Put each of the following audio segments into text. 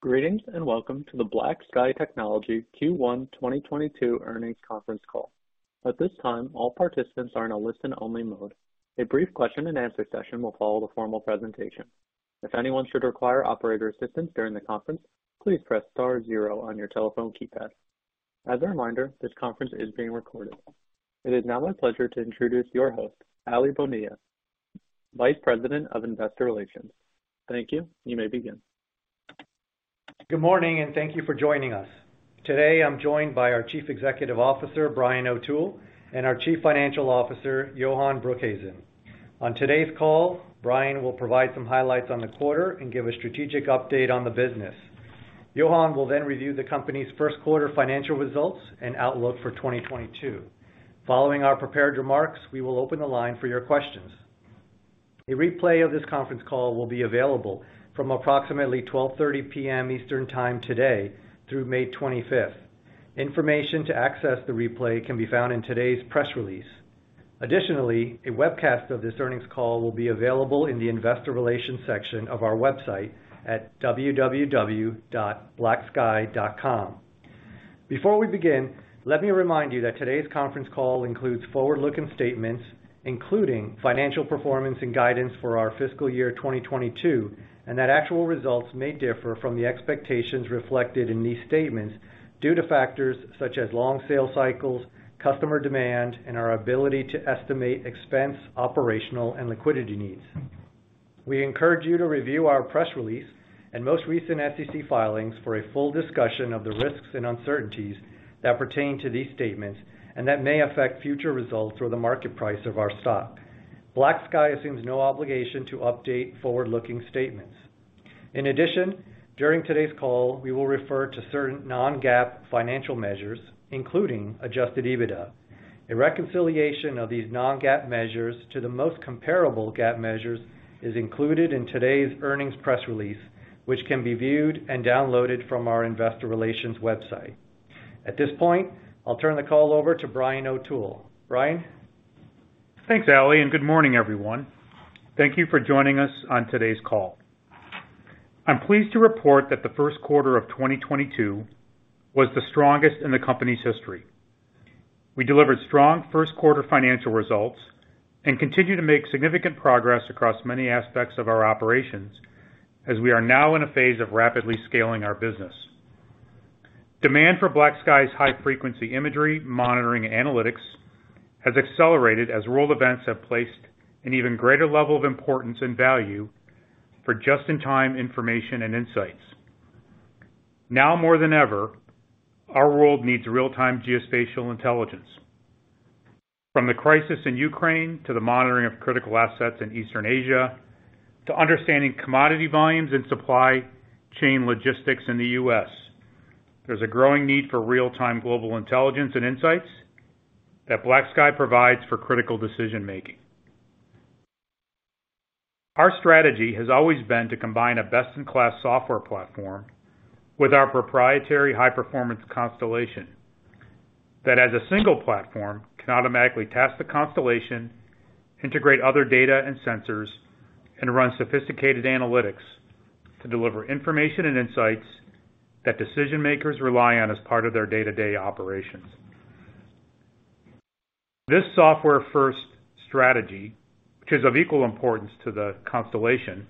Greetings, and welcome to the BlackSky Technology Q1 2022 Earnings Conference Call. At this time, all participants are in a listen only mode. A brief question and answer session will follow the formal presentation. If anyone should require operator assistance during the conference, please press star zero on your telephone keypad. As a reminder, this conference is being recorded. It is now my pleasure to introduce your host, Aly Bonilla, Vice President of Investor Relations. Thank you. You may begin. Good morning, and thank you for joining us. Today I'm joined by our Chief Executive Officer, Brian O'Toole, and our Chief Financial Officer, Johan Broekhuysen. On today's call, Brian will provide some highlights on the quarter and give a strategic update on the business. Johan will then review the company's first quarter financial results and outlook for 2022. Following our prepared remarks, we will open the line for your questions. A replay of this conference call will be available from approximately 12:30 P.M. Eastern time today through May 25th. Information to access the replay can be found in today's press release. Additionally, a webcast of this earnings call will be available in the Investor Relations section of our website at www.blacksky.com. Before we begin, let me remind you that today's conference call includes forward-looking statements, including financial performance and guidance for our fiscal year 2022, and that actual results may differ from the expectations reflected in these statements due to factors such as long sales cycles, customer demand, and our ability to estimate expense, operational and liquidity needs. We encourage you to review our press release and most recent SEC filings for a full discussion of the risks and uncertainties that pertain to these statements and that may affect future results or the market price of our stock. BlackSky assumes no obligation to update forward-looking statements. In addition, during today's call, we will refer to certain non-GAAP financial measures, including Adjusted EBITDA. A reconciliation of these non-GAAP measures to the most comparable GAAP measures is included in today's earnings press release, which can be viewed and downloaded from our investor relations website. At this point, I'll turn the call over to Brian O'Toole. Brian. Thanks, Aly, and good morning, everyone. Thank you for joining us on today's call. I'm pleased to report that the first quarter of 2022 was the strongest in the company's history. We delivered strong first quarter financial results and continue to make significant progress across many aspects of our operations as we are now in a phase of rapidly scaling our business. Demand for BlackSky's high frequency imagery monitoring analytics has accelerated as world events have placed an even greater level of importance and value for just-in-time information and insights. Now more than ever, our world needs real-time geospatial intelligence. From the crisis in Ukraine to the monitoring of critical assets in Eastern Asia to understanding commodity volumes and supply chain logistics in the U.S., there's a growing need for real-time global intelligence and insights that BlackSky provides for critical decision-making. Our strategy has always been to combine a best-in-class software platform with our proprietary high-performance constellation that, as a single platform, can automatically task the constellation, integrate other data and sensors, and run sophisticated analytics to deliver information and insights that decision-makers rely on as part of their day-to-day operations. This software-first strategy, which is of equal importance to the constellation,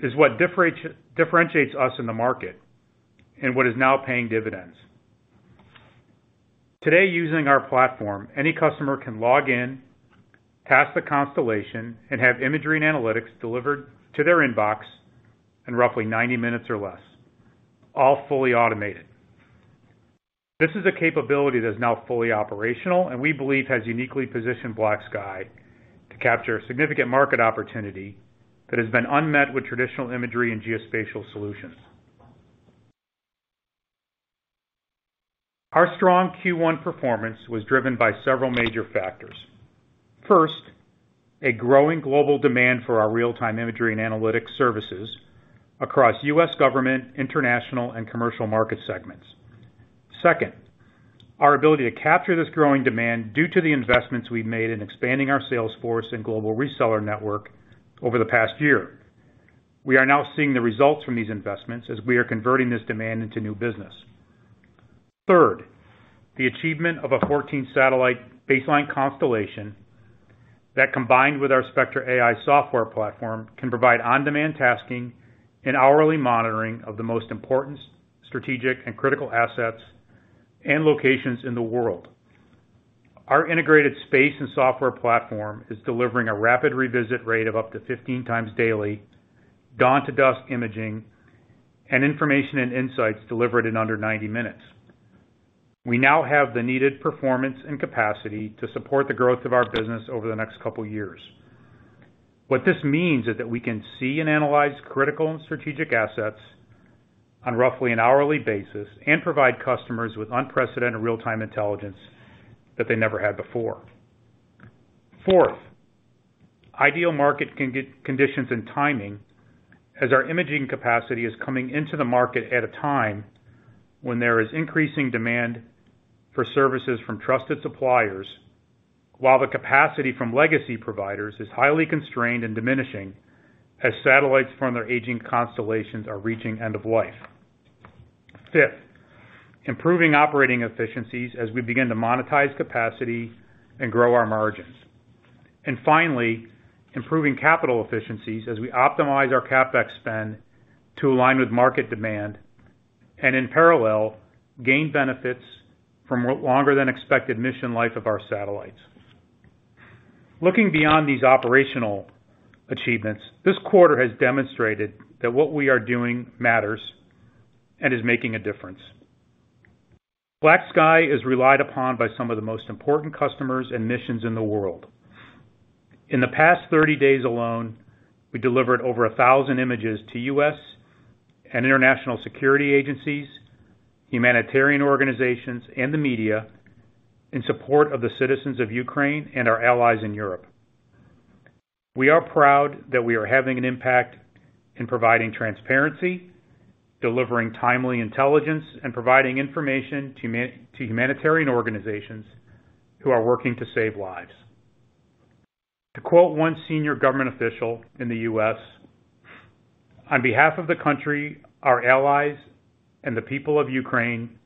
is what differentiates us in the market and what is now paying dividends. Today, using our platform, any customer can log in, task the constellation, and have imagery and analytics delivered to their inbox in roughly 90 minutes or less, all fully automated. This is a capability that is now fully operational, and we believe has uniquely positioned BlackSky to capture a significant market opportunity that has been unmet with traditional imagery and geospatial solutions. Our strong Q1 performance was driven by several major factors. First, a growing global demand for our real-time imagery and analytics services across U.S. government, international, and commercial market segments. Second, our ability to capture this growing demand due to the investments we've made in expanding our sales force and global reseller network over the past year. We are now seeing the results from these investments as we are converting this demand into new business. Third, the achievement of a 14-satellite baseline constellation that, combined with our Spectra AI software platform, can provide on-demand tasking and hourly monitoring of the most important strategic and critical assets and locations in the world. Our integrated space and software platform is delivering a rapid revisit rate of up to 15 times daily, dawn to dusk imaging, and information and insights delivered in under 90 minutes. We now have the needed performance and capacity to support the growth of our business over the next couple years. What this means is that we can see and analyze critical and strategic assets on roughly an hourly basis and provide customers with unprecedented real-time intelligence that they never had before. Fourth, ideal market conditions and timing as our imaging capacity is coming into the market at a time when there is increasing demand for services from trusted suppliers. While the capacity from legacy providers is highly constrained and diminishing as satellites from their aging constellations are reaching end of life. Fifth, improving operating efficiencies as we begin to monetize capacity and grow our margins. Finally, improving capital efficiencies as we optimize our CapEx spend to align with market demand and in parallel, gain benefits from longer than expected mission life of our satellites. Looking beyond these operational achievements, this quarter has demonstrated that what we are doing matters and is making a difference. BlackSky is relied upon by some of the most important customers and missions in the world. In the past 30 days alone, we delivered over 1,000 images to U.S. and international security agencies, humanitarian organizations, and the media in support of the citizens of Ukraine and our allies in Europe. We are proud that we are having an impact in providing transparency, delivering timely intelligence, and providing information to humanitarian organizations who are working to save lives. To quote one senior government official in the U.S., "On behalf of the country, our allies, and the people of Ukraine,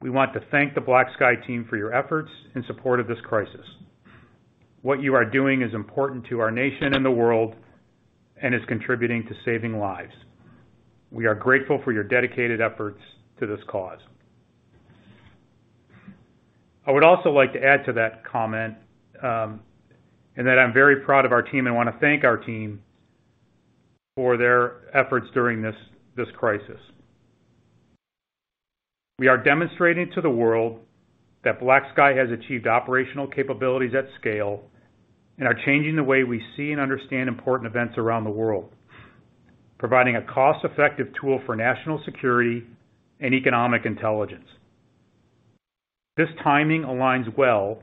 we want to thank the BlackSky team for your efforts in support of this crisis. What you are doing is important to our nation and the world, and is contributing to saving lives. We are grateful for your dedicated efforts to this cause." I would also like to add to that comment, in that I'm very proud of our team and wanna thank our team for their efforts during this crisis. We are demonstrating to the world that BlackSky has achieved operational capabilities at scale, and are changing the way we see and understand important events around the world, providing a cost-effective tool for national security and economic intelligence. This timing aligns well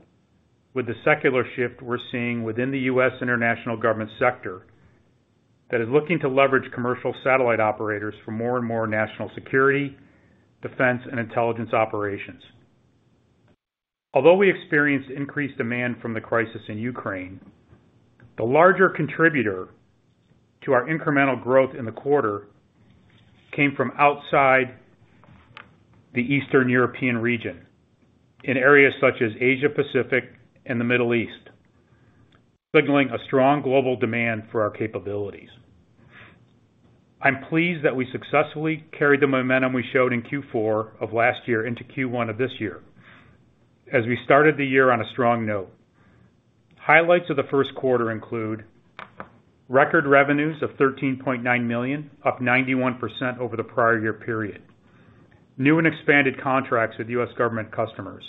with the secular shift we're seeing within the U.S. international government sector that is looking to leverage commercial satellite operators for more and more national security, defense, and intelligence operations. Although we experienced increased demand from the crisis in Ukraine, the larger contributor to our incremental growth in the quarter came from outside the Eastern European region, in areas such as Asia-Pacific and the Middle East, signaling a strong global demand for our capabilities. I'm pleased that we successfully carried the momentum we showed in Q4 of last year into Q1 of this year, as we started the year on a strong note. Highlights of the first quarter include record revenues of $13.9 million, up 91% over the prior year period. New and expanded contracts with U.S. government customers.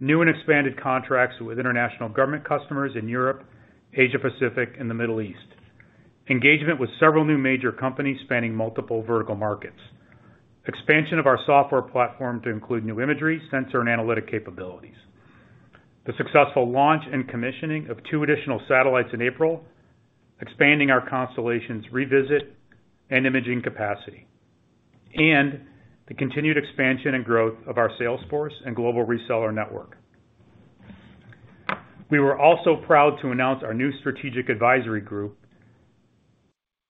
New and expanded contracts with international government customers in Europe, Asia-Pacific, and the Middle East. Engagement with several new major companies spanning multiple vertical markets. Expansion of our software platform to include new imagery, sensor, and analytic capabilities. The successful launch and commissioning of two additional satellites in April, expanding our constellation's revisit and imaging capacity. The continued expansion and growth of our sales force and global reseller network. We were also proud to announce our new strategic advisory group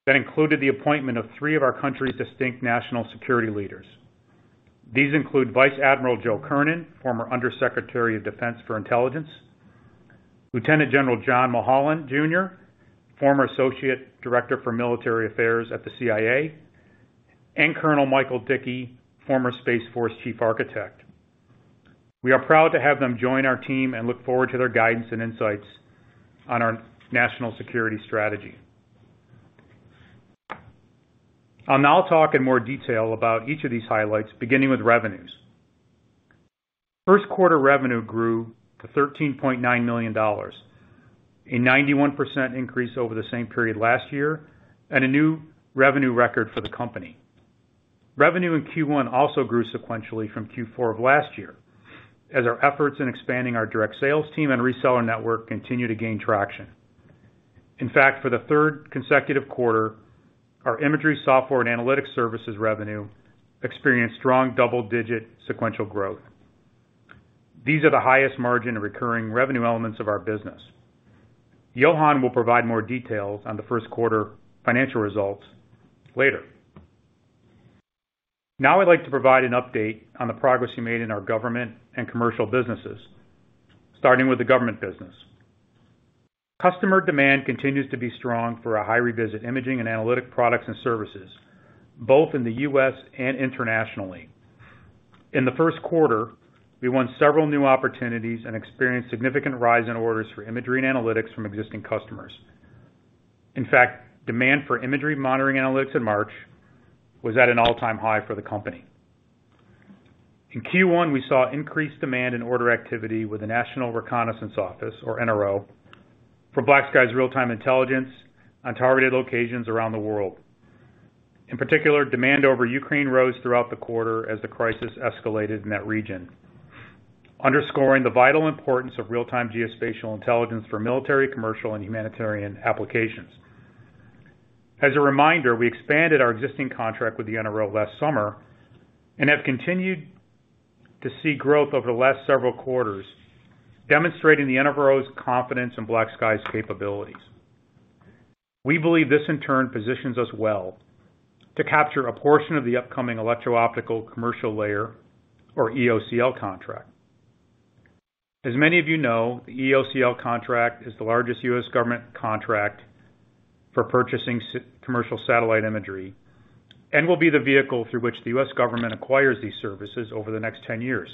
that included the appointment of three of our country's distinct national security leaders. These include Vice Admiral (Ret.) Joe Kernan, former Under Secretary of Defense for Intelligence, Lieutenant General (Ret.) John F. Mulholland Jr., former Associate Director for Military Affairs at the CIA, and Colonel (Ret.) Michael Dickey, former Space Force Chief Architect. We are proud to have them join our team and look forward to their guidance and insights on our national security strategy. I'll now talk in more detail about each of these highlights, beginning with revenues. First quarter revenue grew to $13.9 million, a 91% increase over the same period last year, and a new revenue record for the company. Revenue in Q1 also grew sequentially from Q4 of last year, as our efforts in expanding our direct sales team and reseller network continued to gain traction. In fact, for the third consecutive quarter, our imagery software and analytics services revenue experienced strong double-digit sequential growth. These are the highest margin of recurring revenue elements of our business. Johan will provide more details on the first quarter financial results later. Now I'd like to provide an update on the progress we made in our government and commercial businesses, starting with the government business. Customer demand continues to be strong for our high-revisit imaging and analytic products and services, both in the U.S. and internationally. In the first quarter, we won several new opportunities and experienced significant rise in orders for imagery and analytics from existing customers. In fact, demand for imagery monitoring analytics in March was at an all-time high for the company. In Q1, we saw increased demand in order activity with the National Reconnaissance Office, or NRO, for BlackSky's real-time intelligence on targeted locations around the world. In particular, demand over Ukraine rose throughout the quarter as the crisis escalated in that region, underscoring the vital importance of real-time geospatial intelligence for military, commercial, and humanitarian applications. As a reminder, we expanded our existing contract with the NRO last summer and have continued to see growth over the last several quarters, demonstrating the NRO's confidence in BlackSky's capabilities. We believe this in turn positions us well to capture a portion of the upcoming Electro-Optical Commercial Layer, or EOCL contract. As many of you know, the EOCL contract is the largest U.S. government contract for purchasing commercial satellite imagery, and will be the vehicle through which the U.S. government acquires these services over the next 10 years.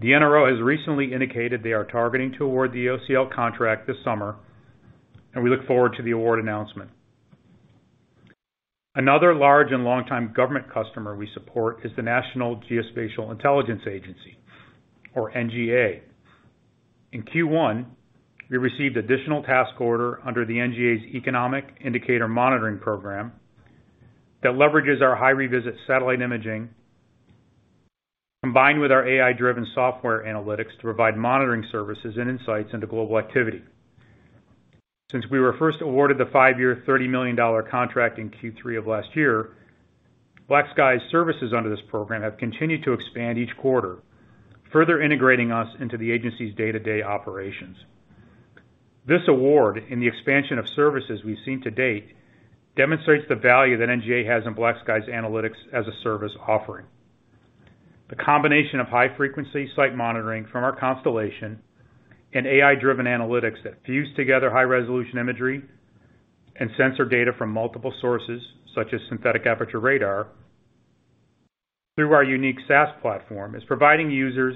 The NRO has recently indicated they are targeting to award the EOCL contract this summer, and we look forward to the award announcement. Another large and longtime government customer we support is the National Geospatial-Intelligence Agency, or NGA. In Q1, we received additional task order under the NGA's Economic Indicator Monitoring program that leverages our high-revisit satellite imaging, combined with our AI-driven software analytics to provide monitoring services and insights into global activity. Since we were first awarded the five year $30 million contract in Q3 of last year, BlackSky's services under this program have continued to expand each quarter, further integrating us into the agency's day-to-day operations. This award, in the expansion of services we've seen to date, demonstrates the value that NGA has in BlackSky's analytics as a service offering. The combination of high-frequency site monitoring from our constellation and AI-driven analytics that fuse together high-resolution imagery and sensor data from multiple sources, such as synthetic aperture radar, through our unique SaaS platform, is providing users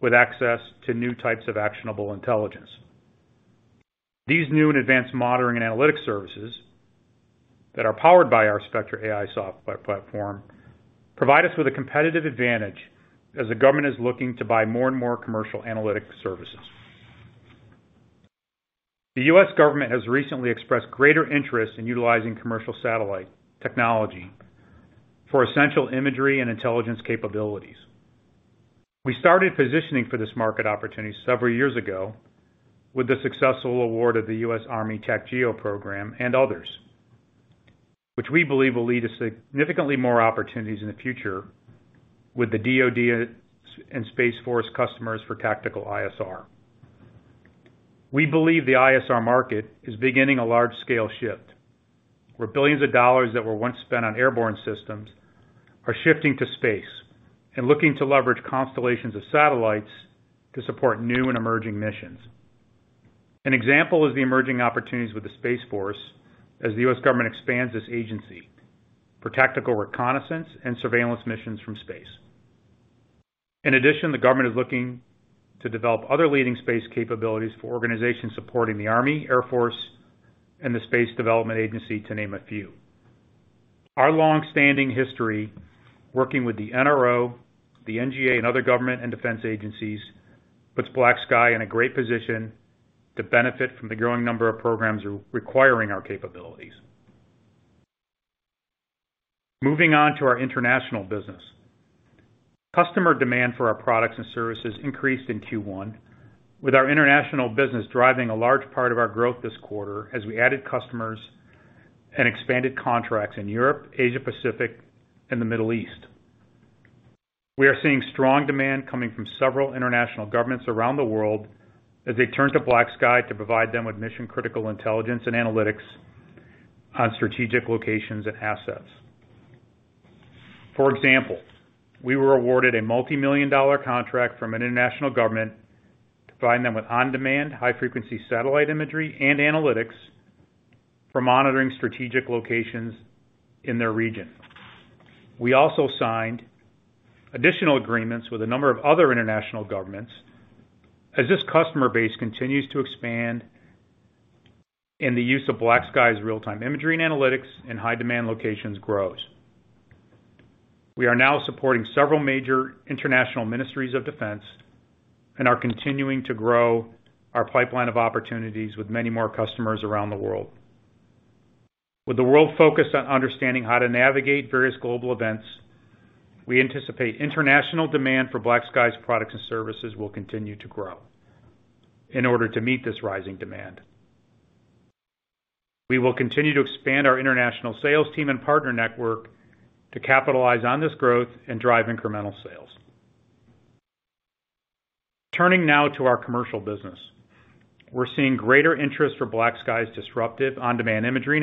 with access to new types of actionable intelligence. These new and advanced monitoring and analytics services that are powered by our Spectra AI platform, provide us with a competitive advantage as the government is looking to buy more and more commercial analytics services. The U.S. government has recently expressed greater interest in utilizing commercial satellite technology for essential imagery and intelligence capabilities. We started positioning for this market opportunity several years ago with the successful award of the U.S. Army TACGEO program and others, which we believe will lead to significantly more opportunities in the future with the DoD and Space Force customers for tactical ISR. We believe the ISR market is beginning a large-scale shift, where billions of dollars that were once spent on airborne systems are shifting to space and looking to leverage constellations of satellites to support new and emerging missions. An example is the emerging opportunities with the Space Force as the U.S. government expands its agency for tactical reconnaissance and surveillance missions from space. In addition, the government is looking to develop other leading space capabilities for organizations supporting the Army, Air Force, and the Space Development Agency, to name a few. Our long-standing history working with the NRO, the NGA, and other government and defense agencies puts BlackSky in a great position to benefit from the growing number of programs requiring our capabilities. Moving on to our international business. Customer demand for our products and services increased in Q1, with our international business driving a large part of our growth this quarter as we added customers and expanded contracts in Europe, Asia-Pacific, and the Middle East. We are seeing strong demand coming from several international governments around the world as they turn to BlackSky to provide them with mission-critical intelligence and analytics on strategic locations and assets. For example, we were awarded a multi-million dollar contract from an international government to provide them with on-demand, high-frequency satellite imagery and analytics for monitoring strategic locations in their region. We also signed additional agreements with a number of other international governments as this customer base continues to expand, and the use of BlackSky's real-time imagery and analytics in high-demand locations grows. We are now supporting several major international ministries of defense and are continuing to grow our pipeline of opportunities with many more customers around the world. With the world focused on understanding how to navigate various global events, we anticipate international demand for BlackSky's products and services will continue to grow. In order to meet this rising demand, we will continue to expand our international sales team and partner network to capitalize on this growth and drive incremental sales. Turning now to our commercial business. We're seeing greater interest for BlackSky's disruptive on-demand imagery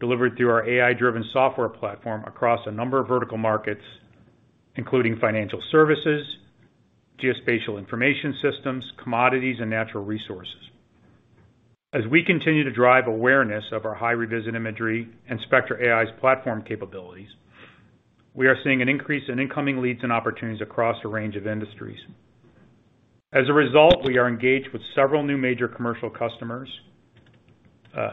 and analytics delivered through our AI-driven software platform across a number of vertical markets, including financial services, geospatial information systems, commodities, and natural resources. As we continue to drive awareness of our high-revisit imagery and Spectra AI's platform capabilities, we are seeing an increase in incoming leads and opportunities across a range of industries. As a result, we are engaged with several new major commercial customers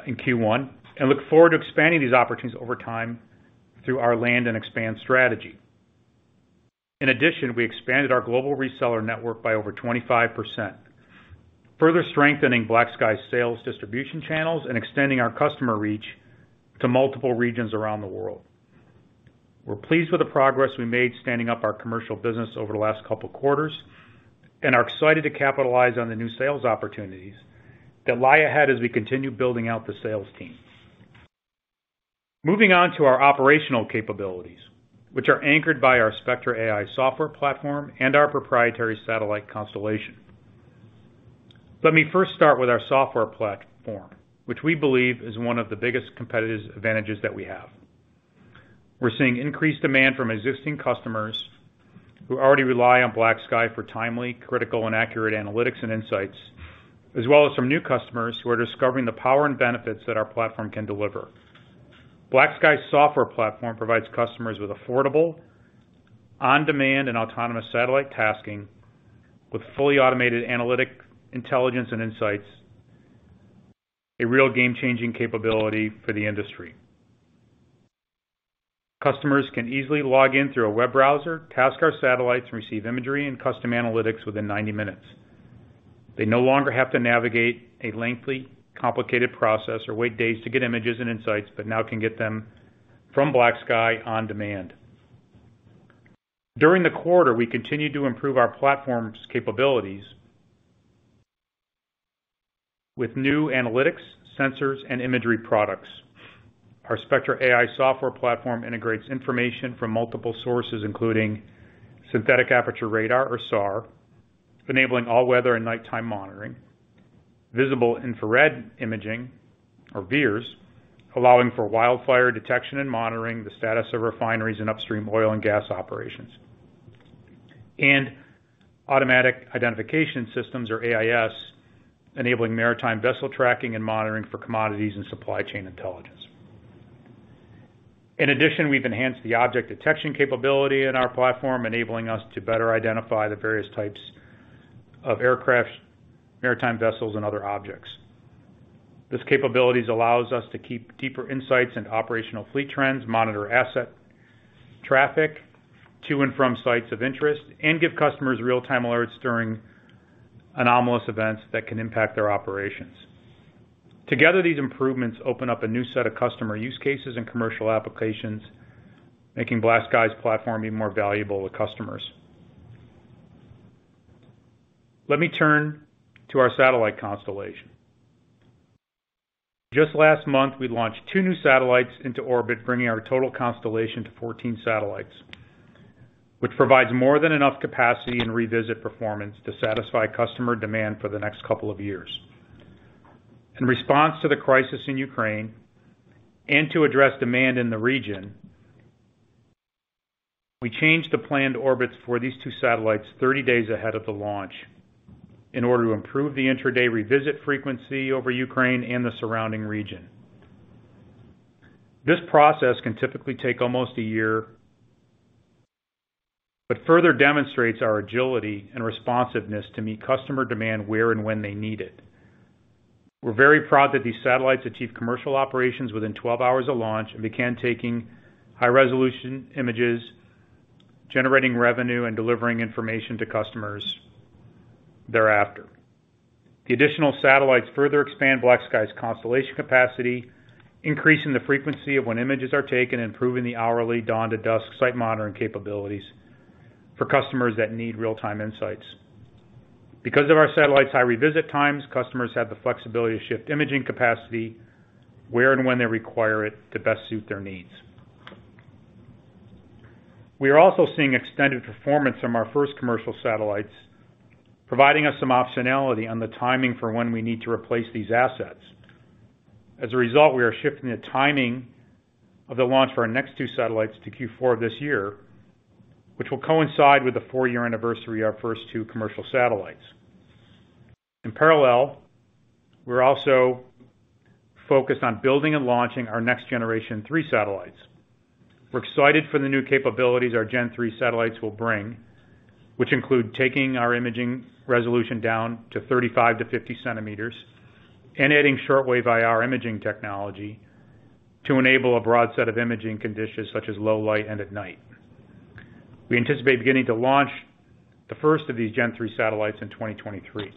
in Q1, and look forward to expanding these opportunities over time through our land and expand strategy. In addition, we expanded our global reseller network by over 25%, further strengthening BlackSky's sales distribution channels and extending our customer reach to multiple regions around the world. We're pleased with the progress we made standing up our commercial business over the last couple quarters, and are excited to capitalize on the new sales opportunities that lie ahead as we continue building out the sales team. Moving on to our operational capabilities, which are anchored by our Spectra AI software platform and our proprietary satellite constellation. Let me first start with our software platform, which we believe is one of the biggest competitive advantages that we have. We're seeing increased demand from existing customers who already rely on BlackSky for timely, critical, and accurate analytics and insights, as well as some new customers who are discovering the power and benefits that our platform can deliver. BlackSky's software platform provides customers with affordable, on-demand, and autonomous satellite tasking with fully automated analytic intelligence and insights, a real game-changing capability for the industry. Customers can easily log in through a web browser, task our satellites, and receive imagery and custom analytics within 90 minutes. They no longer have to navigate a lengthy, complicated process or wait days to get images and insights, but now can get them from BlackSky on demand. During the quarter, we continued to improve our platform's capabilities with new analytics, sensors, and imagery products. Our Spectra AI software platform integrates information from multiple sources, including synthetic aperture radar or SAR, enabling all weather and nighttime monitoring, visible infrared imaging or VIIRS, allowing for wildfire detection and monitoring the status of refineries and upstream oil and gas operations. Automatic identification systems or AIS, enabling maritime vessel tracking and monitoring for commodities and supply chain intelligence. In addition, we've enhanced the object detection capability in our platform, enabling us to better identify the various types of aircraft, maritime vessels and other objects. These capabilities allows us to keep deeper insights into operational fleet trends, monitor asset traffic to and from sites of interest, and give customers real-time alerts during anomalous events that can impact their operations. Together, these improvements open up a new set of customer use cases and commercial applications, making BlackSky's platform even more valuable to customers. Let me turn to our satellite constellation. Just last month, we launched two new satellites into orbit, bringing our total constellation to 14 satellites, which provides more than enough capacity and revisit performance to satisfy customer demand for the next couple of years. In response to the crisis in Ukraine and to address demand in the region, we changed the planned orbits for these two satellites 30 days ahead of the launch in order to improve the intraday revisit frequency over Ukraine and the surrounding region. This process can typically take almost a year, but further demonstrates our agility and responsiveness to meet customer demand where and when they need it. We're very proud that these satellites achieved commercial operations within 12 hours of launch and began taking high resolution images, generating revenue, and delivering information to customers thereafter. The additional satellites further expand BlackSky's constellation capacity, increasing the frequency of when images are taken, improving the hourly dawn to dusk site monitoring capabilities for customers that need real-time insights. Because of our satellites' high revisit times, customers have the flexibility to shift imaging capacity where and when they require it to best suit their needs. We are also seeing extended performance from our first commercial satellites, providing us some optionality on the timing for when we need to replace these assets. As a result, we are shifting the timing of the launch for our next two satellites to Q4 of this year, which will coincide with the four year anniversary of our first two commercial satellites. In parallel, we're also focused on building and launching our next generation three satellites. We're excited for the new capabilities our Gen-3 satellites will bring, which include taking our imaging resolution down to 35-50 centimeters and adding short-wave IR imaging technology to enable a broad set of imaging conditions such as low light and at night. We anticipate beginning to launch the first of these Gen-3 satellites in 2023.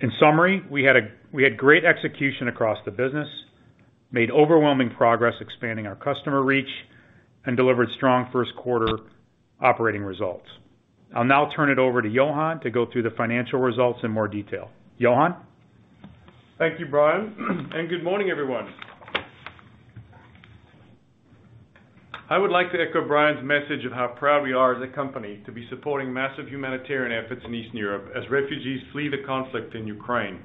In summary, we had great execution across the business, made overwhelming progress expanding our customer reach, and delivered strong first quarter operating results. I'll now turn it over to Johan to go through the financial results in more detail. Johan? Thank you, Brian, and good morning, everyone. I would like to echo Brian's message of how proud we are as a company to be supporting massive humanitarian efforts in Eastern Europe as refugees flee the conflict in Ukraine,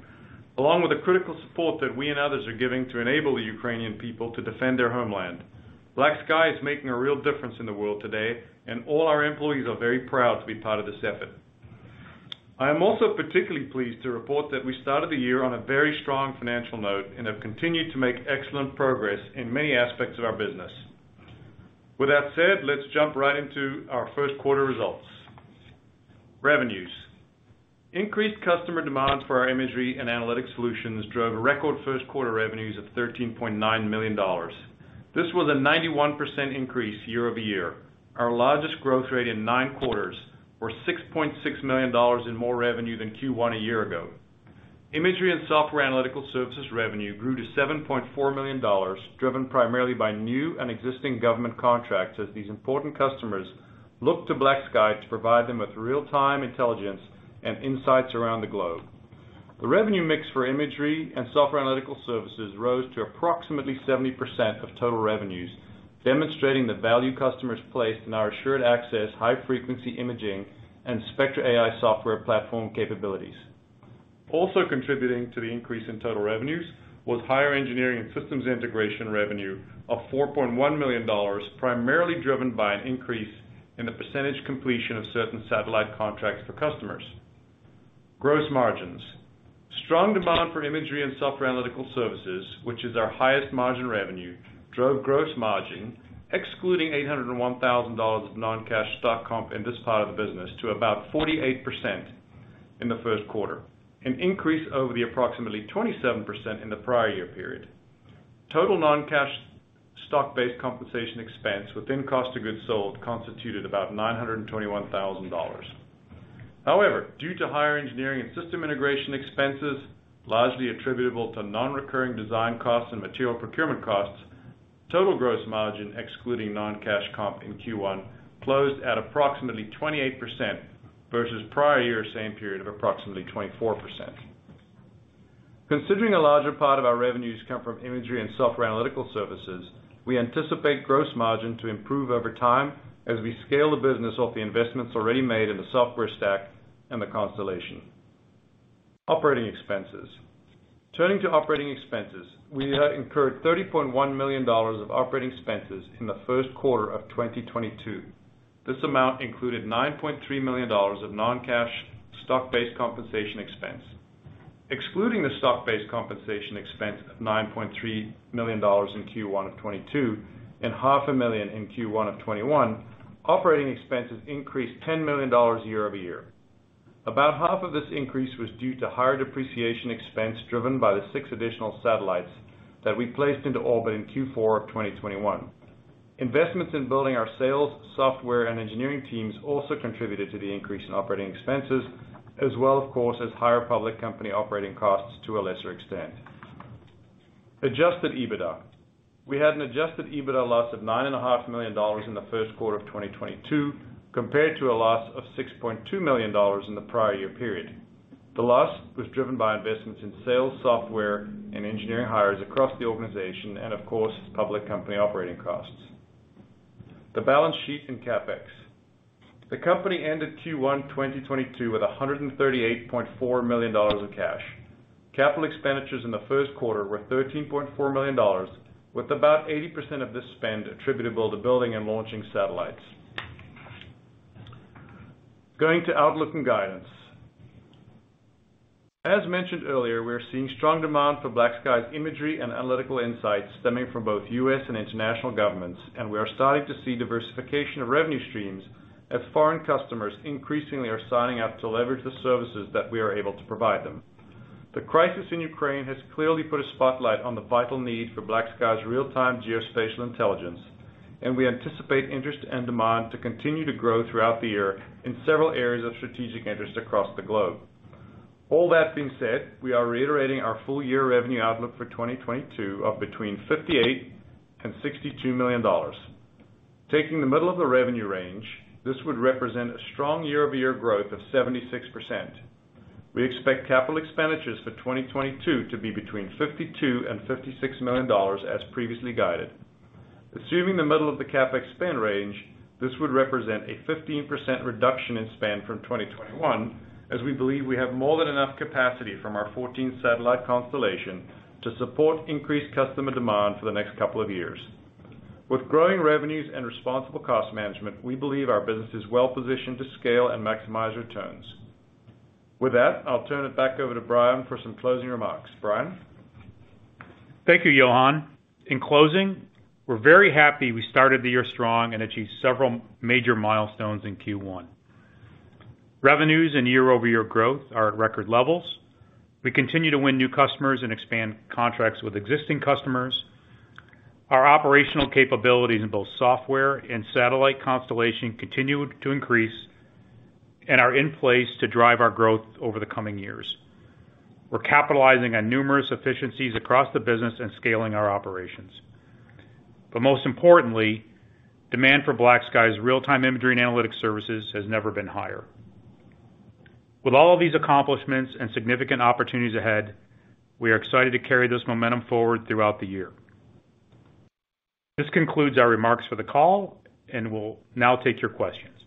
along with the critical support that we and others are giving to enable the Ukrainian people to defend their homeland. BlackSky is making a real difference in the world today, and all our employees are very proud to be part of this effort. I am also particularly pleased to report that we started the year on a very strong financial note and have continued to make excellent progress in many aspects of our business. With that said, let's jump right into our first quarter results. Revenues. Increased customer demand for our imagery and analytic solutions drove record first quarter revenues of $13.9 million. This was a 91% increase year-over-year, our largest growth rate in nine quarters, or $6.6 million in more revenue than Q1 a year ago. Imagery and software analytical services revenue grew to $7.4 million, driven primarily by new and existing government contracts as these important customers look to BlackSky to provide them with real-time intelligence and insights around the globe. The revenue mix for imagery and software analytical services rose to approximately 70% of total revenues, demonstrating the value customers place in our assured access, high-frequency imaging and Spectra AI software platform capabilities. Also contributing to the increase in total revenues was higher engineering and systems integration revenue of $4.1 million, primarily driven by an increase in the percentage completion of certain satellite contracts for customers. Gross margins. Strong demand for imagery and software analytical services, which is our highest margin revenue, drove gross margin, excluding $801,000 of non-cash stock comp in this part of the business, to about 48% in the first quarter, an increase over the approximately 27% in the prior year period. Total non-cash stock-based compensation expense within cost of goods sold constituted about $921,000. However, due to higher engineering and system integration expenses, largely attributable to non-recurring design costs and material procurement costs, total gross margin excluding non-cash comp in Q1 closed at approximately 28% versus prior year same period of approximately 24%. Considering a larger part of our revenues come from imagery and software analytical services, we anticipate gross margin to improve over time as we scale the business off the investments already made in the software stack and the constellation. Operating expenses. Turning to operating expenses, we incurred $30.1 million of operating expenses in the first quarter of 2022. This amount included $9.3 million of non-cash stock-based compensation expense. Excluding the stock-based compensation expense of $9.3 million in Q1 of 2022 and half a million in Q1 of 2021, operating expenses increased $10 million year-over-year. About half of this increase was due to higher depreciation expense driven by the 6 additional satellites that we placed into orbit in Q4 of 2021. Investments in building our sales, software, and engineering teams also contributed to the increase in operating expenses as well, of course, as higher public company operating costs to a lesser extent. Adjusted EBITDA. We had an Adjusted EBITDA loss of $9.5 million in the first quarter of 2022, compared to a loss of $6.2 million in the prior year period. The loss was driven by investments in sales, software, and engineering hires across the organization and, of course, public company operating costs. The balance sheet and CapEx. The company ended Q1 2022 with $138.4 million of cash. Capital expenditures in the first quarter were $13.4 million, with about 80% of this spend attributable to building and launching satellites. Going to outlook and guidance. As mentioned earlier, we are seeing strong demand for BlackSky's imagery and analytical insights stemming from both U.S. and international governments, and we are starting to see diversification of revenue streams as foreign customers increasingly are signing up to leverage the services that we are able to provide them. The crisis in Ukraine has clearly put a spotlight on the vital need for BlackSky's real-time geospatial intelligence, and we anticipate interest and demand to continue to grow throughout the year in several areas of strategic interest across the globe. All that being said, we are reiterating our full year revenue outlook for 2022 of between $58 million and $62 million. Taking the middle of the revenue range, this would represent a strong year-over-year growth of 76%. We expect capital expenditures for 2022 to be between $52 million and $56 million as previously guided. Assuming the middle of the CapEx spend range, this would represent a 15% reduction in spend from 2021, as we believe we have more than enough capacity from our 14 satellite constellation to support increased customer demand for the next couple of years. With growing revenues and responsible cost management, we believe our business is well positioned to scale and maximize returns. With that, I'll turn it back over to Brian for some closing remarks. Brian? Thank you, Johan. In closing, we're very happy we started the year strong and achieved several major milestones in Q1. Revenues and year-over-year growth are at record levels. We continue to win new customers and expand contracts with existing customers. Our operational capabilities in both software and satellite constellation continue to increase and are in place to drive our growth over the coming years. We're capitalizing on numerous efficiencies across the business and scaling our operations. Most importantly, demand for BlackSky's real-time imagery and analytics services has never been higher. With all of these accomplishments and significant opportunities ahead, we are excited to carry this momentum forward throughout the year. This concludes our remarks for the call, and we'll now take your questions.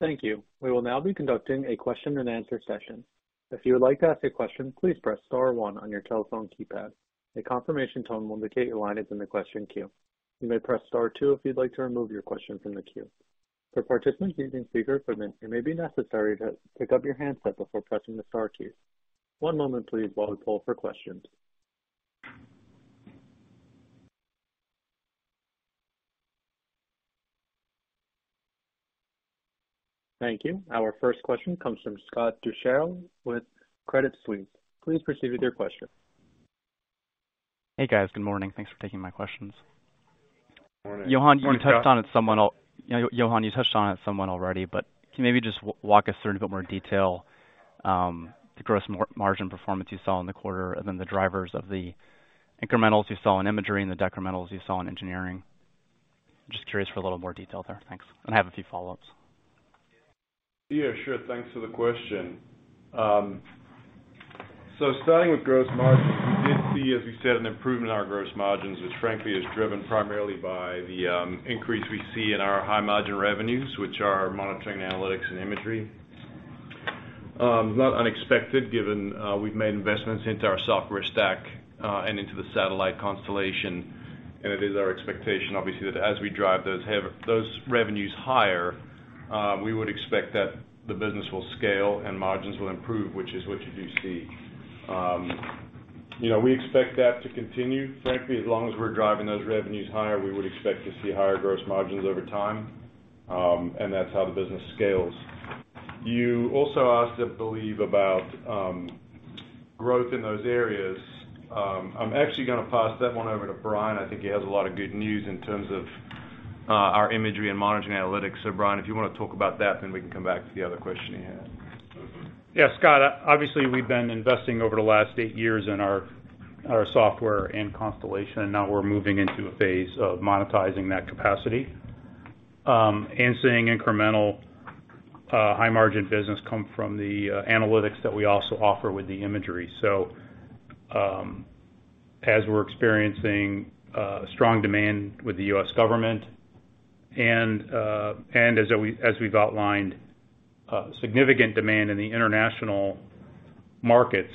Thank you. We will now be conducting a question and answer session. If you would like to ask a question, please press star one on your telephone keypad. A confirmation tone will indicate your line is in the question queue. You may press star two if you'd like to remove your question from the queue. For participants using speaker phone, it may be necessary to pick up your handset before pressing the star key. One moment, please, while we poll for questions. Thank you. Our first question comes from Scott Deuschle with Credit Suisse. Please proceed with your question. Hey guys, good morning. Thanks for taking my questions. Morning. Johan, you touched on it, someone else already, but can you maybe just walk us through in a bit more detail, the gross margin performance you saw in the quarter, and then the drivers of the incrementals you saw in imagery and the decrementals you saw in engineering. Just curious for a little more detail there. Thanks. I have a few follow-ups. Yeah, sure. Thanks for the question. So starting with gross margins, we did see, as we said, an improvement in our gross margins, which frankly is driven primarily by the increase we see in our high-margin revenues, which are monitoring, analytics, and imagery. Not unexpected given we've made investments into our software stack and into the satellite constellation, and it is our expectation obviously that as we drive those revenues higher, we would expect that the business will scale and margins will improve, which is what you do see. You know, we expect that to continue, frankly, as long as we're driving those revenues higher, we would expect to see higher gross margins over time, and that's how the business scales. You also asked, I believe, about growth in those areas. I'm actually gonna pass that one over to Brian. I think he has a lot of good news in terms of our imagery and monitoring analytics. Brian, if you wanna talk about that, then we can come back to the other question you had. Yeah, Scott, obviously, we've been investing over the last eight years in our software and constellation, and now we're moving into a phase of monetizing that capacity, and seeing incremental high-margin business come from the analytics that we also offer with the imagery. As we're experiencing strong demand with the U.S. government and as we've outlined significant demand in the international markets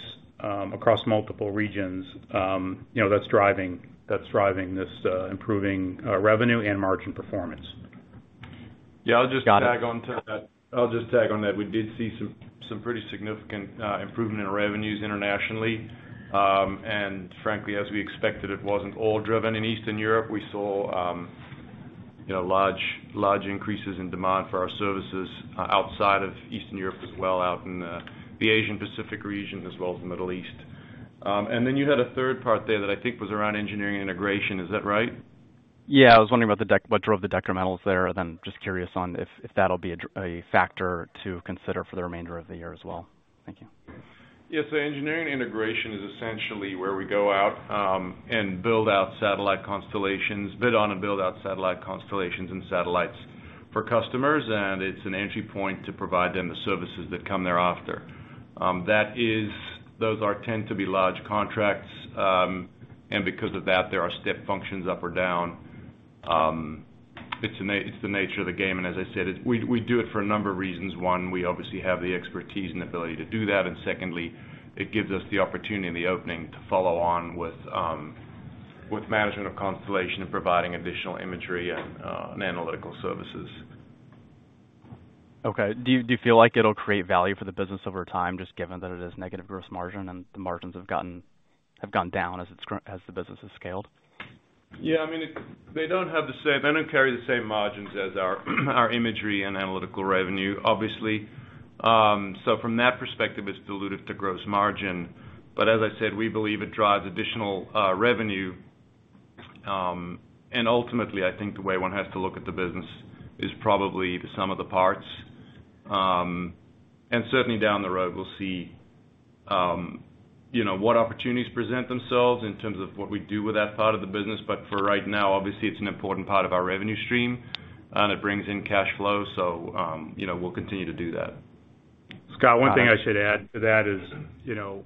across multiple regions, you know, that's driving this improving revenue and margin performance. Got it. Yeah. I'll just tag on to that. We did see some pretty significant improvement in revenues internationally. Frankly, as we expected, it wasn't all driven in Eastern Europe. We saw you know large increases in demand for our services outside of Eastern Europe as well out in the Asia-Pacific region as well as the Middle East. You had a third part there that I think was around engineering integration. Is that right? Yeah. I was wondering about what drove the decrementals there, and then just curious on if that'll be a factor to consider for the remainder of the year as well. Thank you. Yes, the engineering integration is essentially where we go out and build out satellite constellations, bid on and build out satellite constellations and satellites for customers, and it's an entry point to provide them the services that come thereafter. Those tend to be large contracts, and because of that, there are step functions up or down. It's the nature of the game. As I said, we do it for a number of reasons. One, we obviously have the expertise and ability to do that. Secondly, it gives us the opportunity and the opening to follow on with management of constellation and providing additional imagery and analytical services. Okay. Do you feel like it'll create value for the business over time, just given that it is negative gross margin and the margins have gone down as the business has scaled? Yeah. I mean, they don't carry the same margins as our imagery and analytical revenue, obviously. From that perspective, it's dilutive to gross margin. As I said, we believe it drives additional revenue. Ultimately, I think the way one has to look at the business is probably the sum of the parts. Certainly down the road, we'll see, you know, what opportunities present themselves in terms of what we do with that part of the business. For right now, obviously, it's an important part of our revenue stream, and it brings in cash flow. You know, we'll continue to do that. Scott, one thing I should add to that is, you know,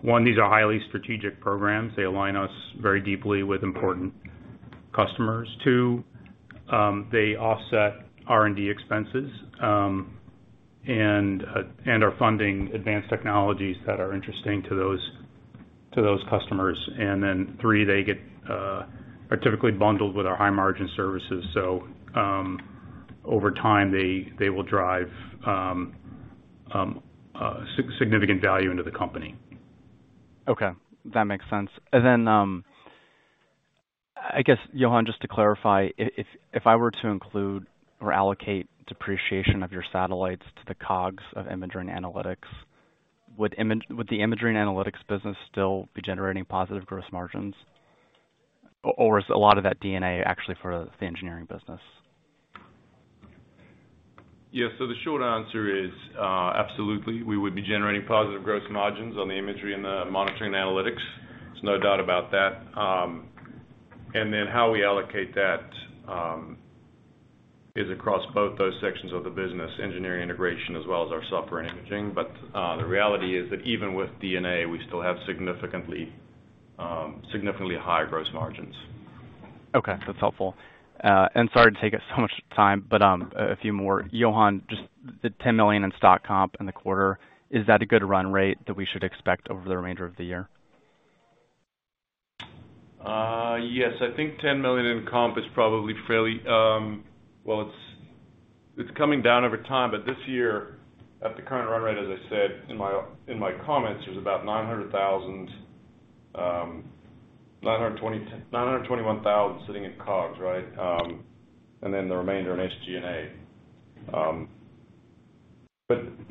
one, these are highly strategic programs. They align us very deeply with important customers. Two, they offset R&D expenses and are funding advanced technologies that are interesting to those customers. Three, they are typically bundled with our high-margin services. Over time, they will drive significant value into the company. Okay. That makes sense. I guess, Johan, just to clarify, if I were to include or allocate depreciation of your satellites to the COGS of imagery and analytics, would the imagery and analytics business still be generating positive gross margins, or is a lot of that D&A actually for the engineering business? Yeah. The short answer is, absolutely, we would be generating positive gross margins on the imagery and the monitoring analytics. There's no doubt about that. Then how we allocate that is across both those sections of the business, engineering integration, as well as our software and imaging. The reality is that even with D&A, we still have significantly higher gross margins. Okay. That's helpful. Sorry to take up so much time, but a few more. Johan, just the $10 million in stock comp in the quarter, is that a good run rate that we should expect over the remainder of the year? Yes. I think $10 million in comp is probably fairly. Well, it's coming down over time, but this year, at the current run rate, as I said in my comments, it was about $900,000, $921,000 sitting in COGS, right? And then the remainder in SG&A.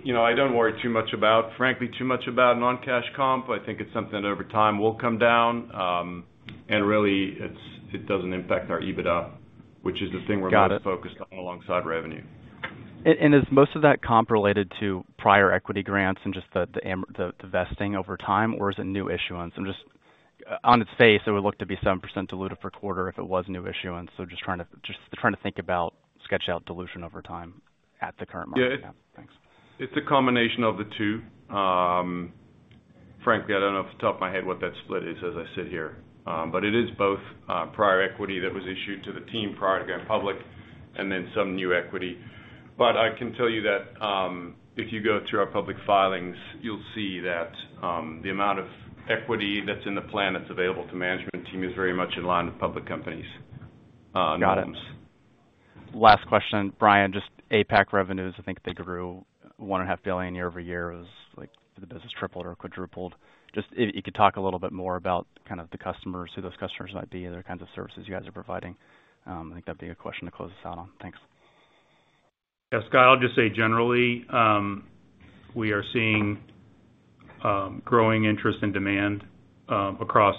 You know, I don't worry too much about non-cash comp, frankly. I think it's something over time will come down. really, it doesn't impact our EBITDA, which is the thing we're most focused on alongside revenue. Is most of that comp related to prior equity grants and just the vesting over time, or is it new issuance? On its face, it would look to be 7% diluted per quarter if it was new issuance. Just trying to think about sketch out dilution over time at the current market. Yeah, thanks. It's a combination of the two. Frankly, I don't know off the top of my head what that split is as I sit here. It is both, prior equity that was issued to the team prior to going public and then some new equity. I can tell you that, if you go to our public filings, you'll see that, the amount of equity that's in the plan that's available to management team is very much in line with public companies, norms. Got it. Last question, Brian. Just APAC revenues, I think they grew $1.5 billion year-over-year, was like the business tripled or quadrupled. Just if you could talk a little bit more about kind of the customers, who those customers might be, the kinds of services you guys are providing. I think that'd be a question to close us out on. Thanks. Yeah, Scott, I'll just say generally, we are seeing growing interest and demand across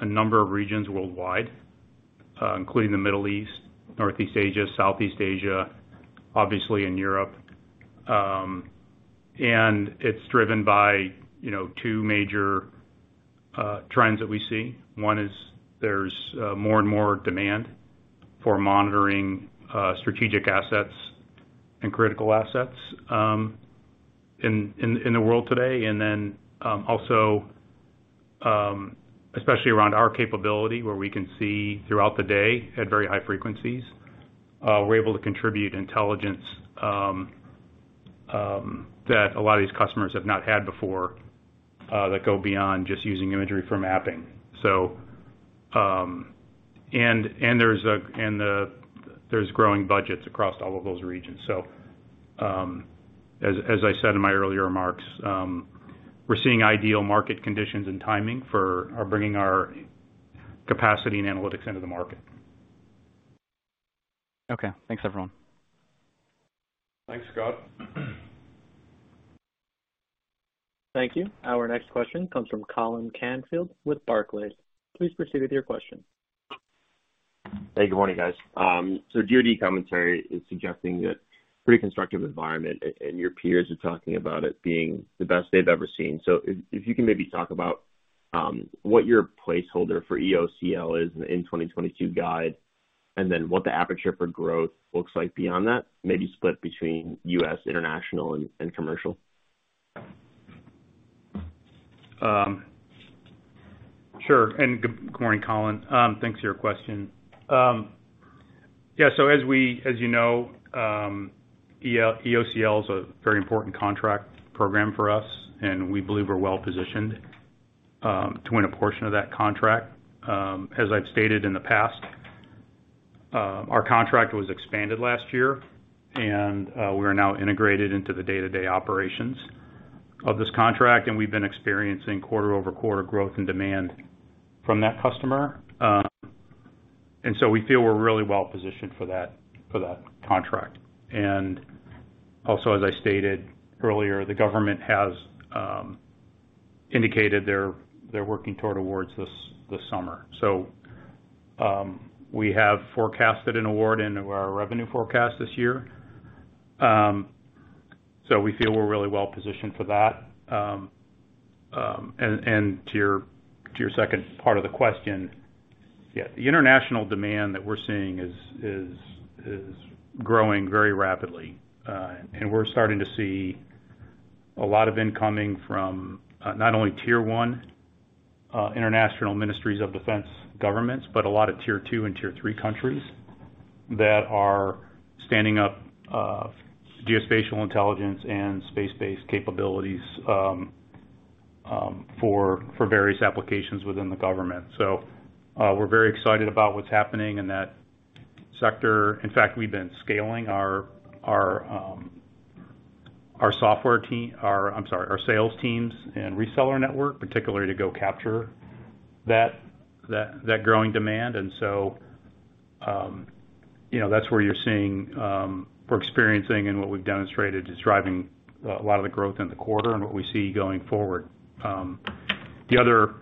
a number of regions worldwide, including the Middle East, Northeast Asia, Southeast Asia, obviously in Europe. It's driven by, you know, two major trends that we see. One is there's more and more demand for monitoring strategic assets and critical assets in the world today. Also, especially around our capability, where we can see throughout the day at very high frequencies, we're able to contribute intelligence that a lot of these customers have not had before that go beyond just using imagery for mapping. There's growing budgets across all of those regions. As I said in my earlier remarks, we're seeing ideal market conditions and timing for bringing our capacity and analytics into the market. Okay. Thanks, everyone. Thanks, Scott. Thank you. Our next question comes from Colin Canfield with Barclays. Please proceed with your question. Hey, good morning, guys. DoD commentary is suggesting a pretty constructive environment, and your peers are talking about it being the best they've ever seen. If you can maybe talk about what your placeholder for EOCL is in the 2022 guide, and then what the aperture for growth looks like beyond that, maybe split between U.S., international, and commercial. Sure. Good morning, Colin. Thanks for your question. Yeah. As you know, EOCL is a very important contract program for us, and we believe we're well positioned to win a portion of that contract. As I've stated in the past, our contract was expanded last year, and we are now integrated into the day-to-day operations of this contract, and we've been experiencing quarter-over-quarter growth and demand from that customer. We feel we're really well positioned for that contract. Also, as I stated earlier, the government has indicated they're working toward awards this summer. We have forecasted an award into our revenue forecast this year. We feel we're really well positioned for that. To your second part of the question, yeah, the international demand that we're seeing is growing very rapidly, and we're starting to see a lot of incoming from not only tier one international ministries of defense governments, but a lot of tier two and tier three countries that are standing up geospatial intelligence and space-based capabilities for various applications within the government. We're very excited about what's happening in that sector. In fact, we've been scaling our sales teams and reseller network, particularly to go capture that growing demand. You know, that's where you're seeing we're experiencing and what we've demonstrated is driving a lot of the growth in the quarter and what we see going forward. The other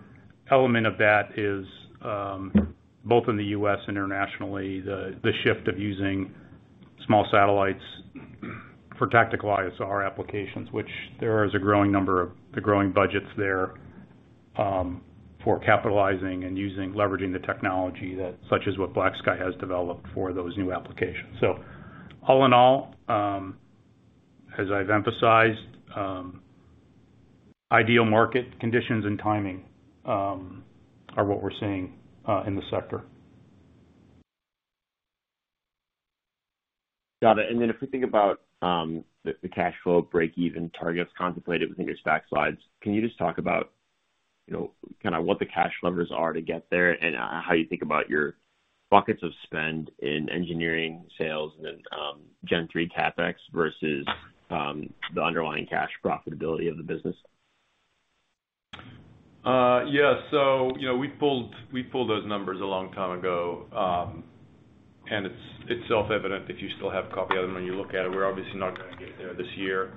element of that is, both in the U.S. and internationally, the shift of using small satellites for tactical ISR applications, which there is a growing number of the growing budgets there for leveraging the technology such as what BlackSky has developed for those new applications. All in all, as I've emphasized, ideal market conditions and timing are what we're seeing in the sector. Got it. If we think about the cash flow breakeven targets contemplated within your stack slides, can you just talk about, you know, kinda what the cash levers are to get there and how you think about your buckets of spend in engineering, sales, and then Gen-3 CapEx versus the underlying cash profitability of the business? Yeah. You know, we pulled those numbers a long time ago, and it's self-evident if you still have a copy of them when you look at it. We're obviously not gonna get there this year.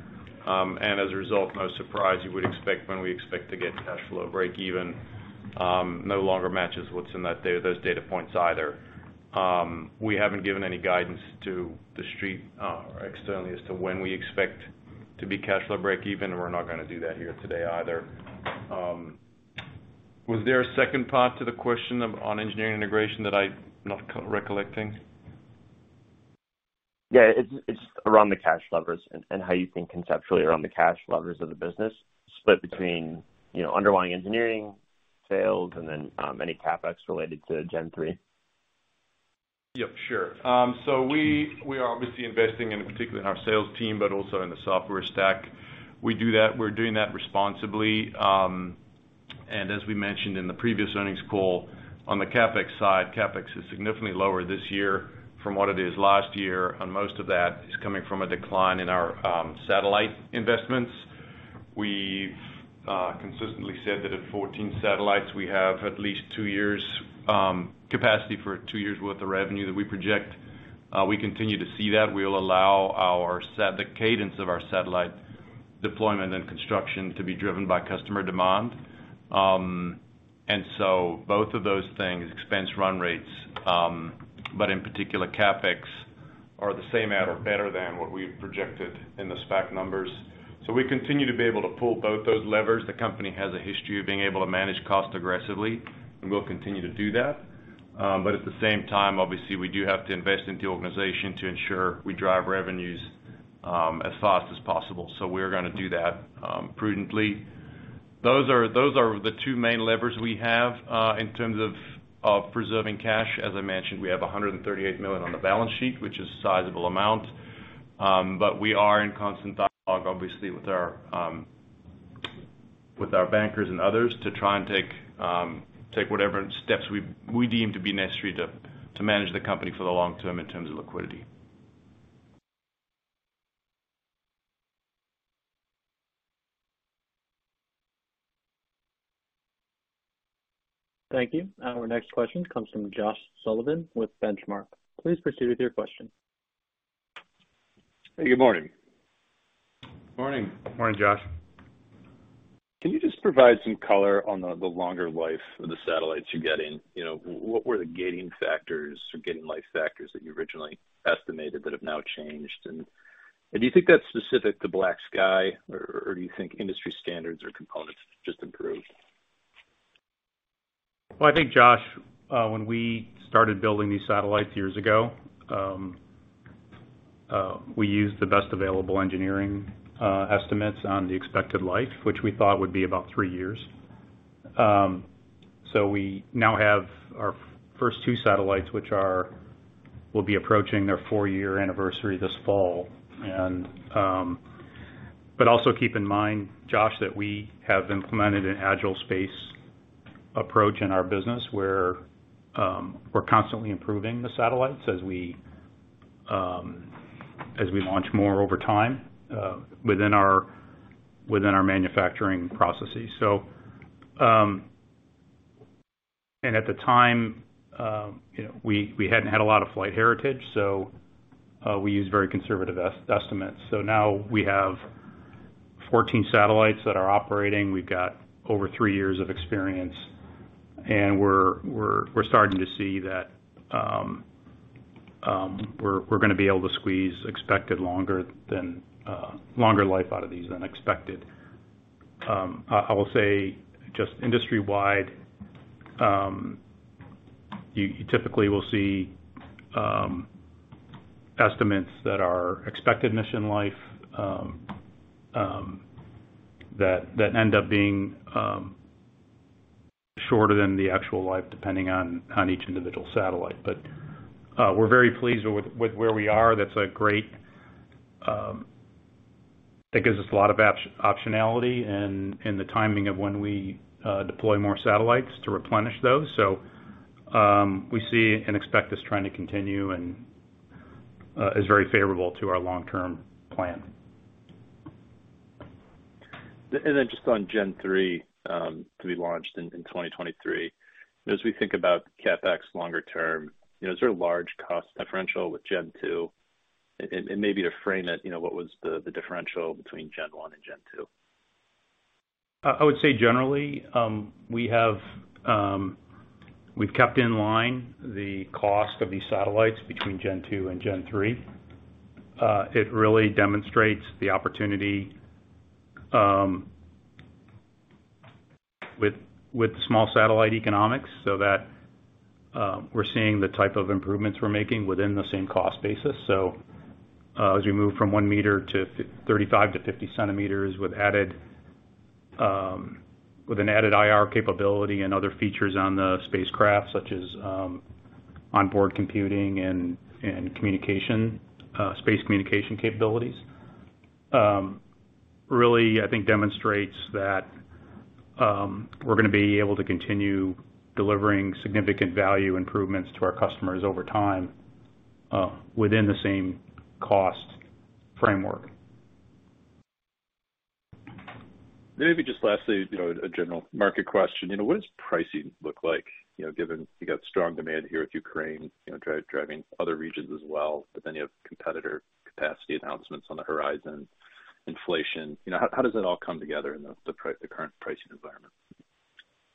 As a result, no surprise you would expect when we expect to get cash flow breakeven, no longer matches what's in that data, those data points either. We haven't given any guidance to the street, or externally as to when we expect to be cash flow breakeven, and we're not gonna do that here today either. Was there a second part to the question of, on engineering integration that I'm not recollecting? It's around the cash levers and how you think conceptually around the cash levers of the business split between, you know, underlying engineering sales and then any CapEx related to Gen-3. Yep, sure. We are obviously investing in, particularly in our sales team, but also in the software stack. We're doing that responsibly. As we mentioned in the previous earnings call, on the CapEx side, CapEx is significantly lower this year from what it is last year, and most of that is coming from a decline in our satellite investments. We've consistently said that at 14 satellites, we have at least two years capacity for two years worth of revenue that we project. We continue to see that. We'll allow the cadence of our satellite deployment and construction to be driven by customer demand. Both of those things, expense run rates, but in particular CapEx, are the same at or better than what we've projected in the SPAC numbers. We continue to be able to pull both those levers. The company has a history of being able to manage cost aggressively, and we'll continue to do that. At the same time, obviously, we do have to invest in the organization to ensure we drive revenues as fast as possible. We're gonna do that prudently. Those are the two main levers we have in terms of preserving cash. As I mentioned, we have $138 million on the balance sheet, which is a sizable amount. We are in constant dialogue, obviously, with our bankers and others to try and take whatever steps we deem to be necessary to manage the company for the long term in terms of liquidity. Thank you. Our next question comes from Josh Sullivan with Benchmark. Please proceed with your question. Good morning. Morning. Morning, Josh. Can you just provide some color on the longer life of the satellites you're getting? You know, what were the gating factors or gating life factors that you originally estimated that have now changed? And do you think that's specific to BlackSky or do you think industry standards or components just improved? Well, I think, Josh, when we started building these satellites years ago, we used the best available engineering estimates on the expected life, which we thought would be about three years. We now have our first two satellites, which will be approaching their four year anniversary this fall. Also keep in mind, Josh, that we have implemented an agile space approach in our business where we're constantly improving the satellites as we launch more over time within our manufacturing processes. At the time, you know, we hadn't had a lot of flight heritage, so we used very conservative estimates. Now we have 14 satellites that are operating. We've got over three years of experience, and we're starting to see that we're gonna be able to squeeze longer life out of these than expected. I will say just industry-wide, you typically will see estimates of expected mission life that end up being shorter than the actual life, depending on each individual satellite. We're very pleased with where we are. That's great. That gives us a lot of optionality in the timing of when we deploy more satellites to replenish those. We see and expect this trend to continue, and it is very favorable to our long-term plan. Just on Gen-3, to be launched in 2023. As we think about CapEx longer term, you know, is there a large cost differential with Gen-2? Maybe to frame it, you know, what was the differential between Gen-1 and Gen-2? I would say generally, we've kept in line the cost of these satellites between Gen Two and Gen Three. It really demonstrates the opportunity with small satellite economics so that we're seeing the type of improvements we're making within the same cost basis. As we move from one meter to 35-50 centimeters with an added IR capability and other features on the spacecraft, such as onboard computing and space communication capabilities, really, I think, demonstrates that we're gonna be able to continue delivering significant value improvements to our customers over time, within the same cost framework. Maybe just lastly, you know, a general market question. You know, what does pricing look like, you know, given you got strong demand here with Ukraine, you know, driving other regions as well, but then you have competitor capacity announcements on the horizon, inflation. You know, how does it all come together in the current pricing environment?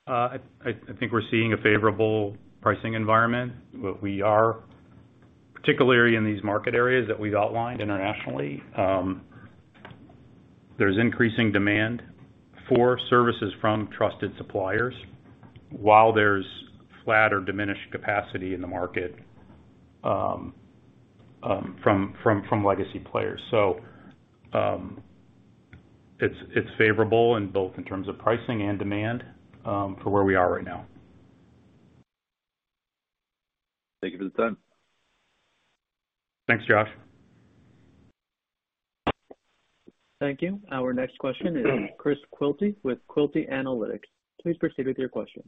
I think we're seeing a favorable pricing environment. What we are, particularly in these market areas that we've outlined internationally, there's increasing demand for services from trusted suppliers while there's flat or diminished capacity in the market, from legacy players. It's favorable in both in terms of pricing and demand, for where we are right now. Thank you for the time. Thanks, Josh. Thank you. Our next question is Chris Quilty with Quilty Analytics. Please proceed with your question.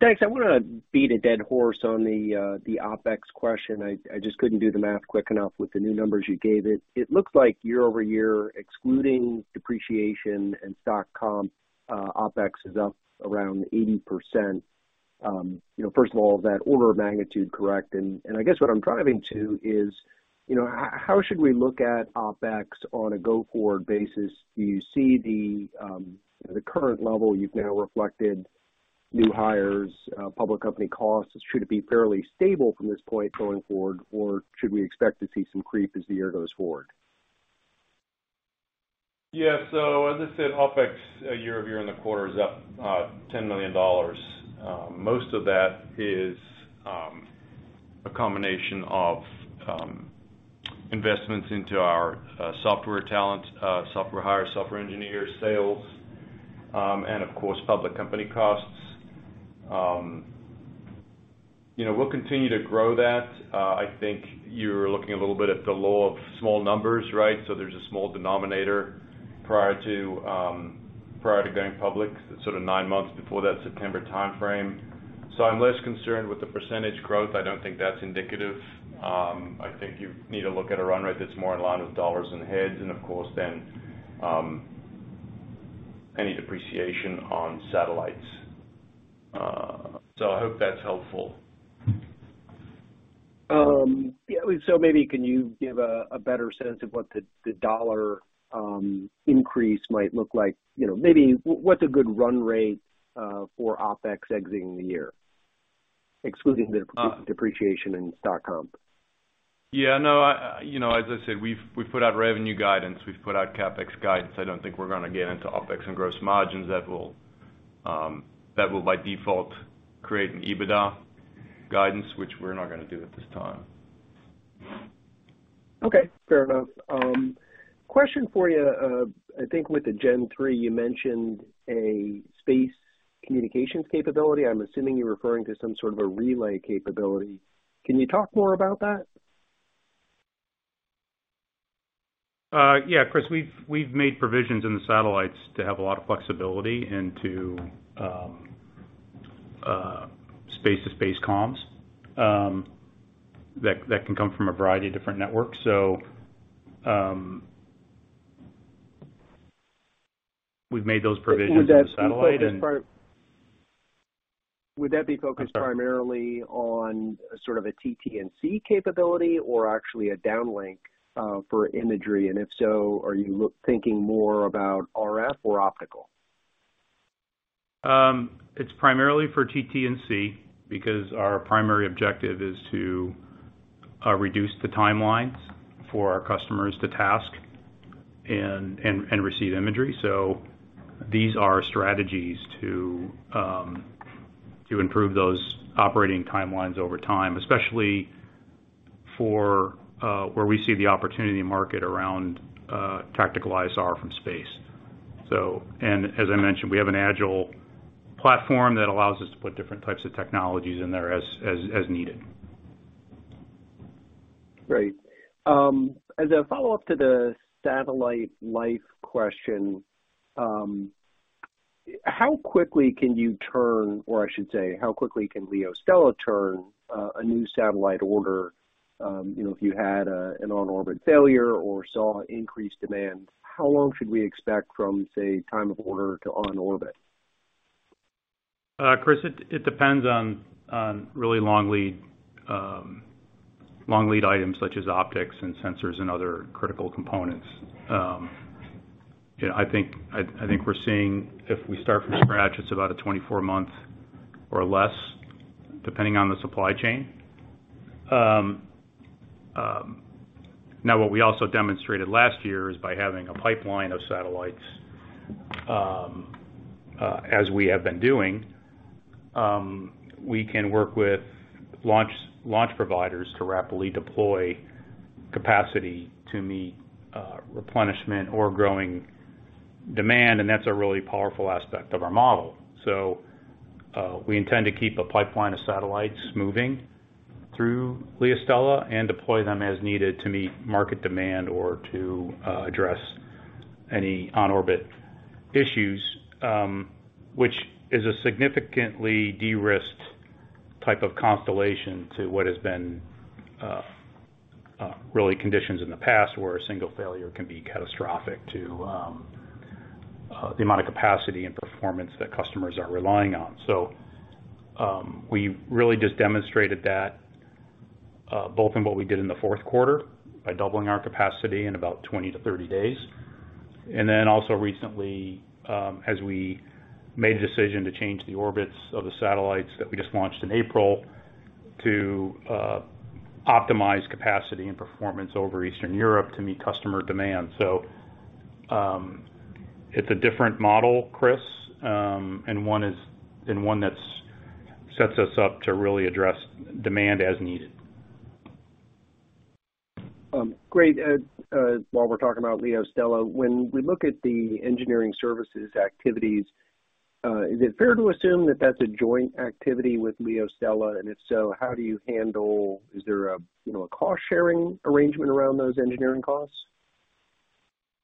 Thanks. I wanna beat a dead horse on the OpEx question. I just couldn't do the math quick enough with the new numbers you gave it. It looks like year-over-year, excluding depreciation and stock comp, OpEx is up around 80%. You know, first of all, is that order of magnitude correct? I guess what I'm driving to is, you know, how should we look at OpEx on a go-forward basis? Do you see the current level you've now reflected new hires, public company costs, should it be fairly stable from this point going forward? Or should we expect to see some creep as the year goes forward? Yeah. As I said, OpEx year-over-year in the quarter is up $10 million. Most of that is a combination of investments into our software talent, software hire, software engineers, sales, and of course, public company costs. You know, we'll continue to grow that. I think you're looking a little bit at the law of small numbers, right? There's a small denominator prior to going public, sort of nine months before that September timeframe. I'm less concerned with the percentage growth. I don't think that's indicative. I think you need to look at a run rate that's more in line with dollars and heads and of course then any depreciation on satellites. I hope that's helpful. Maybe can you give a better sense of what the dollar increase might look like? You know, maybe what's a good run rate for OpEx exiting the year, excluding the depreciation and stock comp? Yeah, no. I, you know, as I said, we've put out revenue guidance, we've put out CapEx guidance. I don't think we're gonna get into OpEx and gross margins. That will by default create an EBITDA guidance, which we're not gonna do at this time. Okay. Fair enough. Question for you. I think with the Gen Three, you mentioned a space communications capability. I'm assuming you're referring to some sort of a relay capability. Can you talk more about that? Yeah, Chris, we've made provisions in the satellites to have a lot of flexibility into space to space comms that can come from a variety of different networks. We've made those provisions in the satellite and- Would that be focused primarily on sort of a TT&C capability or actually a downlink for imagery? If so, are you thinking more about RF or optical? It's primarily for TT&C because our primary objective is to reduce the timelines for our customers to task and receive imagery. These are strategies to improve those operating timelines over time, especially for where we see the opportunity in market around tactical ISR from space. As I mentioned, we have an agile platform that allows us to put different types of technologies in there as needed. Great. As a follow-up to the satellite life question, how quickly can you turn, or I should say, how quickly can LeoStella turn a new satellite order, you know, if you had an on-orbit failure or saw increased demand? How long should we expect from, say, time of order to on orbit? Chris, it depends on really long lead items such as optics and sensors and other critical components. You know, I think we're seeing if we start from scratch, it's about a 24-month or less, depending on the supply chain. Now what we also demonstrated last year is by having a pipeline of satellites, as we have been doing, we can work with launch providers to rapidly deploy capacity to meet replenishment or growing demand, and that's a really powerful aspect of our model. We intend to keep a pipeline of satellites moving through LeoStella and deploy them as needed to meet market demand or to address any on-orbit issues, which is a significantly de-risked type of constellation to what has been real conditions in the past, where a single failure can be catastrophic to the amount of capacity and performance that customers are relying on. We really just demonstrated that both in what we did in the fourth quarter by doubling our capacity in about 20-30 days. Also recently, as we made a decision to change the orbits of the satellites that we just launched in April to optimize capacity and performance over Eastern Europe to meet customer demand. It's a different model, Chris, and one that's sets us up to really address demand as needed. Great, while we're talking about LeoStella, when we look at the engineering services activities, is it fair to assume that that's a joint activity with LeoStella? And if so, is there a, you know, a cost-sharing arrangement around those engineering costs?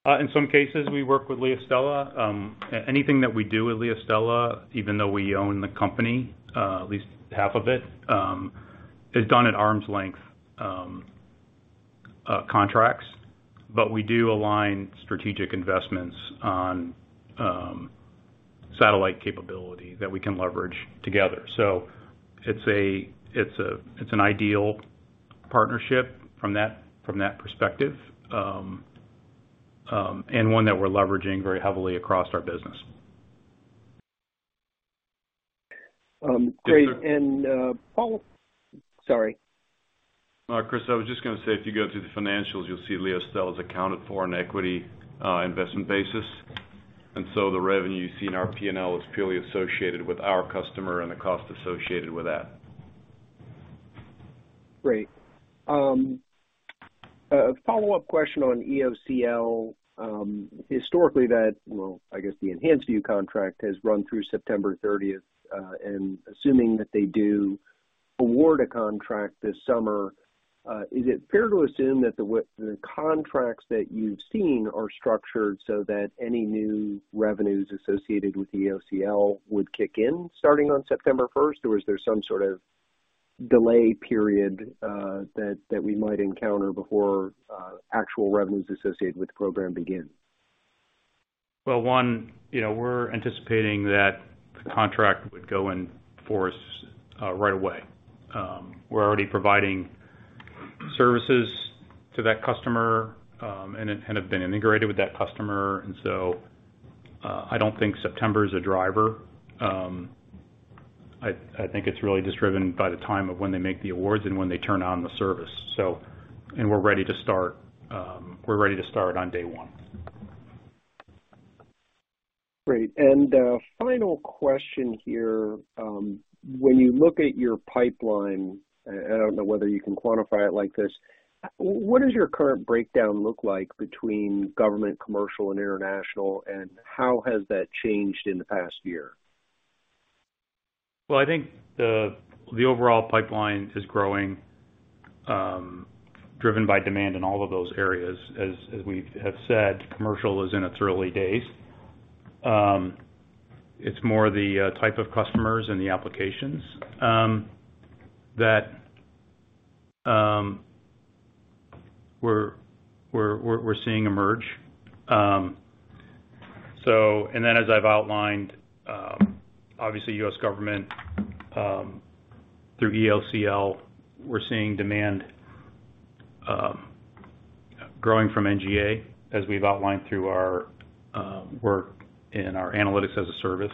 In some cases, we work with LeoStella. Anything that we do with LeoStella, even though we own the company, at least half of it, is done at arm's length contracts. We do align strategic investments on satellite capability that we can leverage together. It's an ideal partnership from that perspective, and one that we're leveraging very heavily across our business. Great. Chris. Sorry. No, Chris, I was just gonna say, if you go through the financials, you'll see LeoStella is accounted for in equity investment basis. The revenue you see in our P&L is purely associated with our customer and the cost associated with that. Great. A follow-up question on EOCL. Historically, that well, I guess the EnhancedView contract has run through September thirtieth. Assuming that they do award a contract this summer, is it fair to assume that the contracts that you've seen are structured so that any new revenues associated with EOCL would kick in starting on September first? Is there some sort of delay period that we might encounter before actual revenues associated with the program begin? Well, one, you know, we're anticipating that the contract would go in force right away. We're already providing services to that customer and have been integrated with that customer. I don't think September is a driver. I think it's really just driven by the time of when they make the awards and when they turn on the service, so. We're ready to start on day one. Great. A final question here. When you look at your pipeline, and I don't know whether you can quantify it like this, what does your current breakdown look like between government, commercial and international? How has that changed in the past year? Well, I think the overall pipeline is growing, driven by demand in all of those areas. As we've said, commercial is in its early days. It's more the type of customers and the applications that we're seeing emerge. So as I've outlined, obviously U.S. government through EOCL, we're seeing demand growing from NGA, as we've outlined through our work in our analytics as a service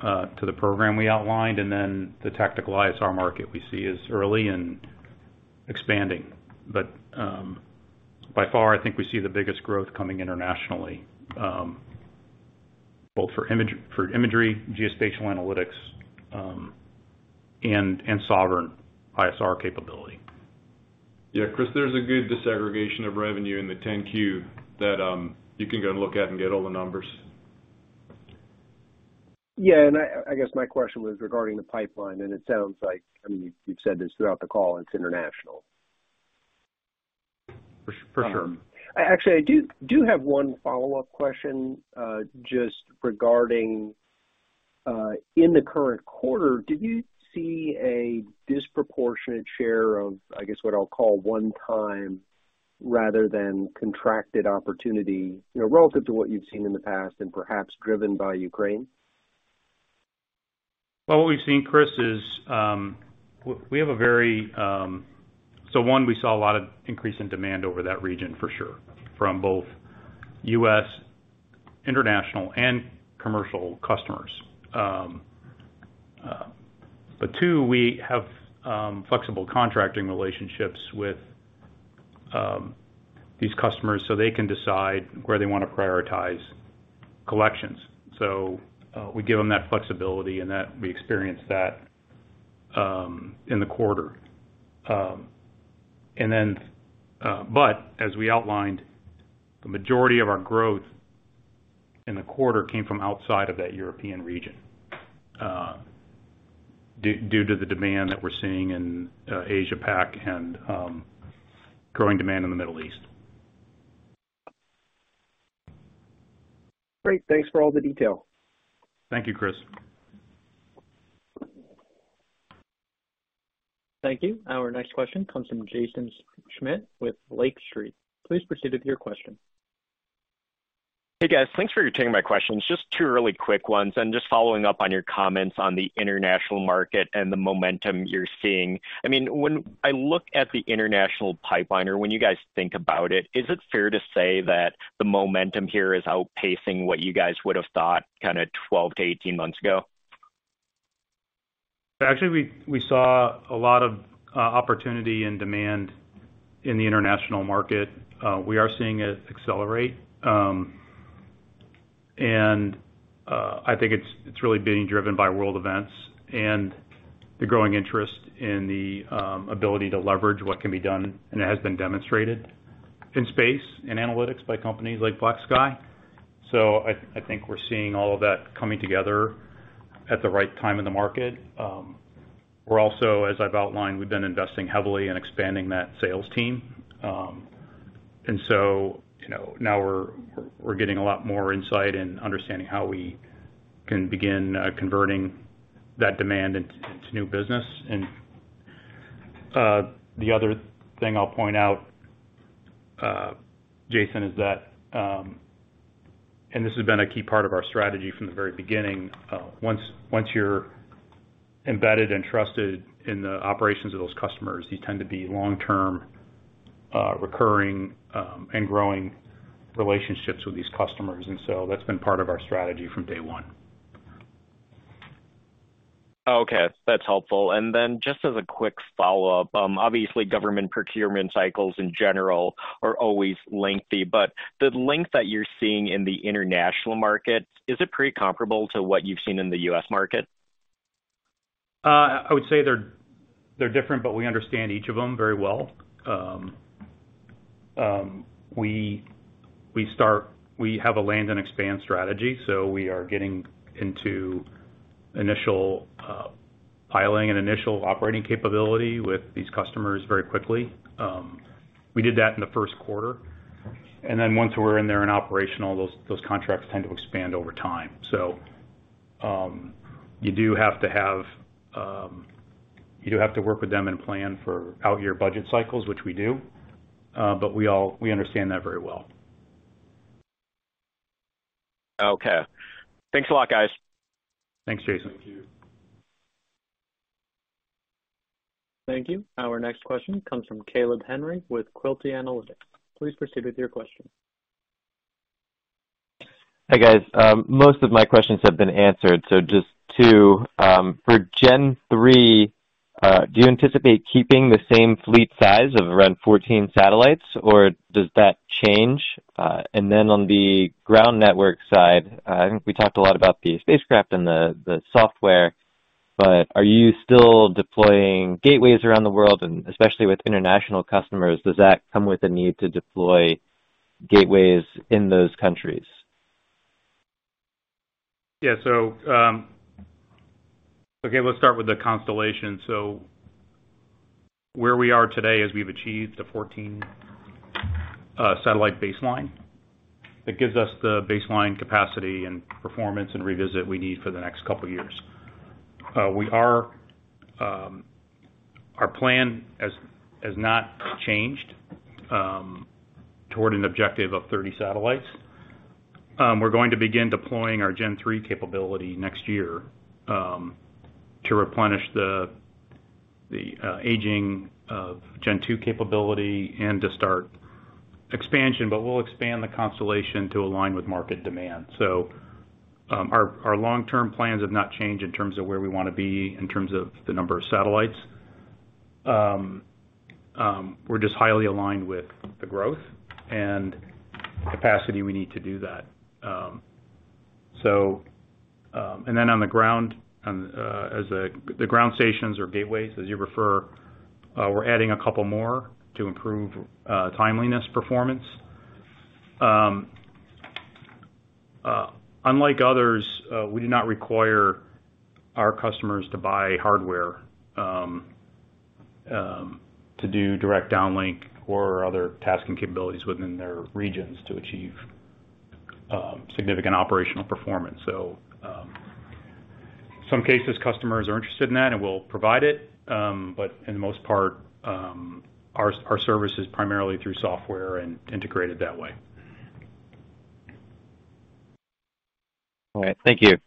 to the program we outlined. The tactical ISR market we see is early and expanding. But by far, I think we see the biggest growth coming internationally, both for imagery, geospatial analytics, and sovereign ISR capability. Yeah, Chris, there's a good disaggregation of revenue in the 10-Q that you can go look at and get all the numbers. Yeah. I guess my question was regarding the pipeline, and it sounds like, I mean, you've said this throughout the call, it's international. For sure. Actually, I do have one follow-up question, just regarding in the current quarter, did you see a disproportionate share of, I guess, what I'll call one time rather than contracted opportunity, you know, relative to what you've seen in the past and perhaps driven by Ukraine? Well, what we've seen, Chris, is one, we saw a lot of increase in demand over that region for sure, from both U.S., international and commercial customers. Two, we have flexible contracting relationships with these customers, so they can decide where they wanna prioritize collections. We give them that flexibility and that we experience that in the quarter. As we outlined, the majority of our growth in the quarter came from outside of that European region due to the demand that we're seeing in Asia Pac and growing demand in the Middle East. Great. Thanks for all the detail. Thank you, Chris. Thank you. Our next question comes from Jaeson Schmidt with Lake Street. Please proceed with your question. Hey, guys. Thanks for taking my questions. Just two really quick ones, just following up on your comments on the international market and the momentum you're seeing. I mean, when I look at the international pipeline or when you guys think about it, is it fair to say that the momentum here is outpacing what you guys would have thought kinda 12-18 months ago? Actually, we saw a lot of opportunity and demand in the international market. We are seeing it accelerate. I think it's really being driven by world events and the growing interest in the ability to leverage what can be done, and it has been demonstrated in space, in analytics by companies like BlackSky. I think we're seeing all of that coming together at the right time in the market. We're also, as I've outlined, we've been investing heavily in expanding that sales team. You know, now we're getting a lot more insight and understanding how we can begin converting that demand into new business. The other thing I'll point out, Jaeson, is that, and this has been a key part of our strategy from the very beginning, once you're embedded and trusted in the operations of those customers, you tend to be long-term, recurring, and growing relationships with these customers. That's been part of our strategy from day one. Okay. That's helpful. Just as a quick follow-up, obviously, government procurement cycles in general are always lengthy, but the length that you're seeing in the international market, is it pretty comparable to what you've seen in the U.S. market? I would say they're different, but we understand each of them very well. We have a land and expand strategy, so we are getting into initial filing and initial operating capability with these customers very quickly. We did that in the first quarter. Then once we're in there and operational, those contracts tend to expand over time. You do have to work with them and plan for out year budget cycles, which we do. We understand that very well. Okay. Thanks a lot, guys. Thanks, Jaeson. Thank you. Thank you. Our next question comes from Caleb Henry with Quilty Analytics. Please proceed with your question. Hi, guys. Most of my questions have been answered. Just two. For Gen three, do you anticipate keeping the same fleet size of around 14 satellites, or does that change? And then on the ground network side, I think we talked a lot about the spacecraft and the software, but are you still deploying gateways around the world, and especially with international customers, does that come with a need to deploy gateways in those countries? Yeah. Okay, let's start with the constellation. Where we are today is we've achieved the 14 satellite baseline. That gives us the baseline capacity and performance and revisit we need for the next couple of years. Our plan has not changed toward an objective of 30 satellites. We're going to begin deploying our Gen-3 capability next year to replenish the aging of Gen-2 capability and to start expansion, but we'll expand the constellation to align with market demand. Our long-term plans have not changed in terms of where we wanna be in terms of the number of satellites. We're just highly aligned with the growth and capacity we need to do that. On the ground, the ground stations or gateways, as you prefer, we're adding a couple more to improve timeliness performance. Unlike others, we do not require our customers to buy hardware to do direct downlink or other tasking capabilities within their regions to achieve significant operational performance. In some cases customers are interested in that, and we'll provide it. For the most part, our service is primarily through software and integrated that way. All right. Thank you.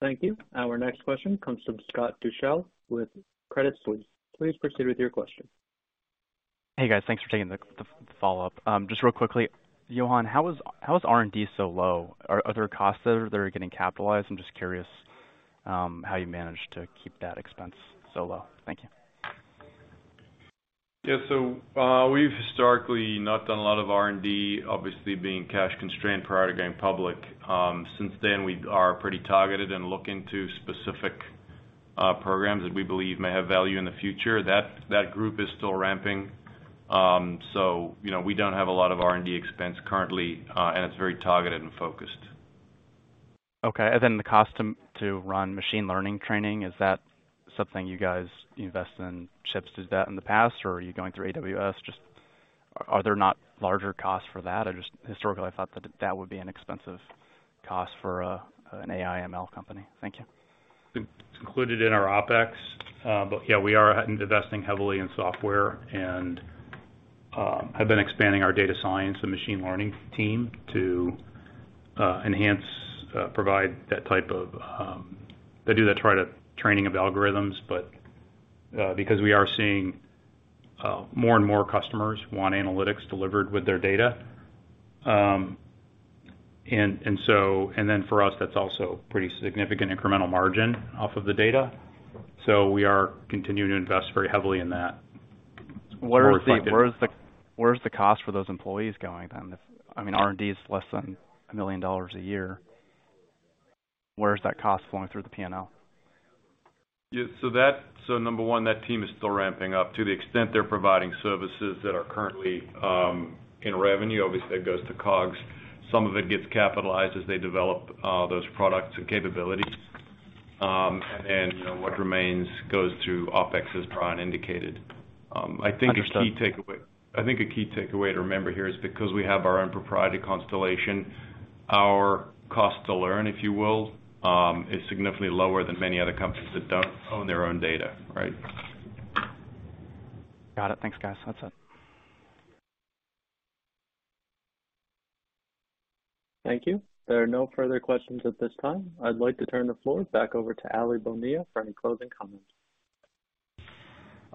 Thank you. Our next question comes from Scott Deuschle with Credit Suisse. Please proceed with your question. Hey, guys. Thanks for taking the follow-up. Just real quickly, Johan, how is R&D so low? Are there costs that are getting capitalized? I'm just curious, how you manage to keep that expense so low. Thank you. We've historically not done a lot of R&D, obviously being cash-constrained prior to going public. Since then, we are pretty targeted and look into specific programs that we believe may have value in the future. That group is still ramping. You know, we don't have a lot of R&D expense currently, and it's very targeted and focused. Okay. The cost to run machine learning training, is that something you guys invest in chips? Did that in the past? Or are you going through AWS? Just are there not larger costs for that? I just historically, I thought that would be an expensive cost for an AI ML company. Thank you. It's included in our OpEx. We are investing heavily in software and have been expanding our data science and machine learning team to enhance, provide that type of. They do that training of algorithms because we are seeing more and more customers want analytics delivered with their data. And then for us, that's also pretty significant incremental margin off of the data. We are continuing to invest very heavily in that. Where is the cost for those employees going then? If I mean, R&D is less than $1 million a year, where is that cost flowing through the P&L? Number one, that team is still ramping up. To the extent they're providing services that are currently in revenue, obviously that goes to COGS. Some of it gets capitalized as they develop those products and capabilities. And then, you know, what remains goes through OpEx, as Brian indicated. I think a key takeaway. Understood. I think a key takeaway to remember here is because we have our own proprietary constellation, our cost to learn, if you will, is significantly lower than many other companies that don't own their own data. Right? Got it. Thanks, guys. That's it. Thank you. There are no further questions at this time. I'd like to turn the floor back over to Aly Bonilla for any closing comments.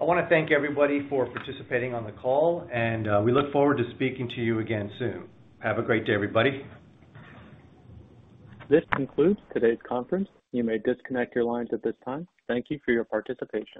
I wanna thank everybody for participating on the call, and we look forward to speaking to you again soon. Have a great day, everybody. This concludes today's conference. You may disconnect your lines at this time. Thank you for your participation.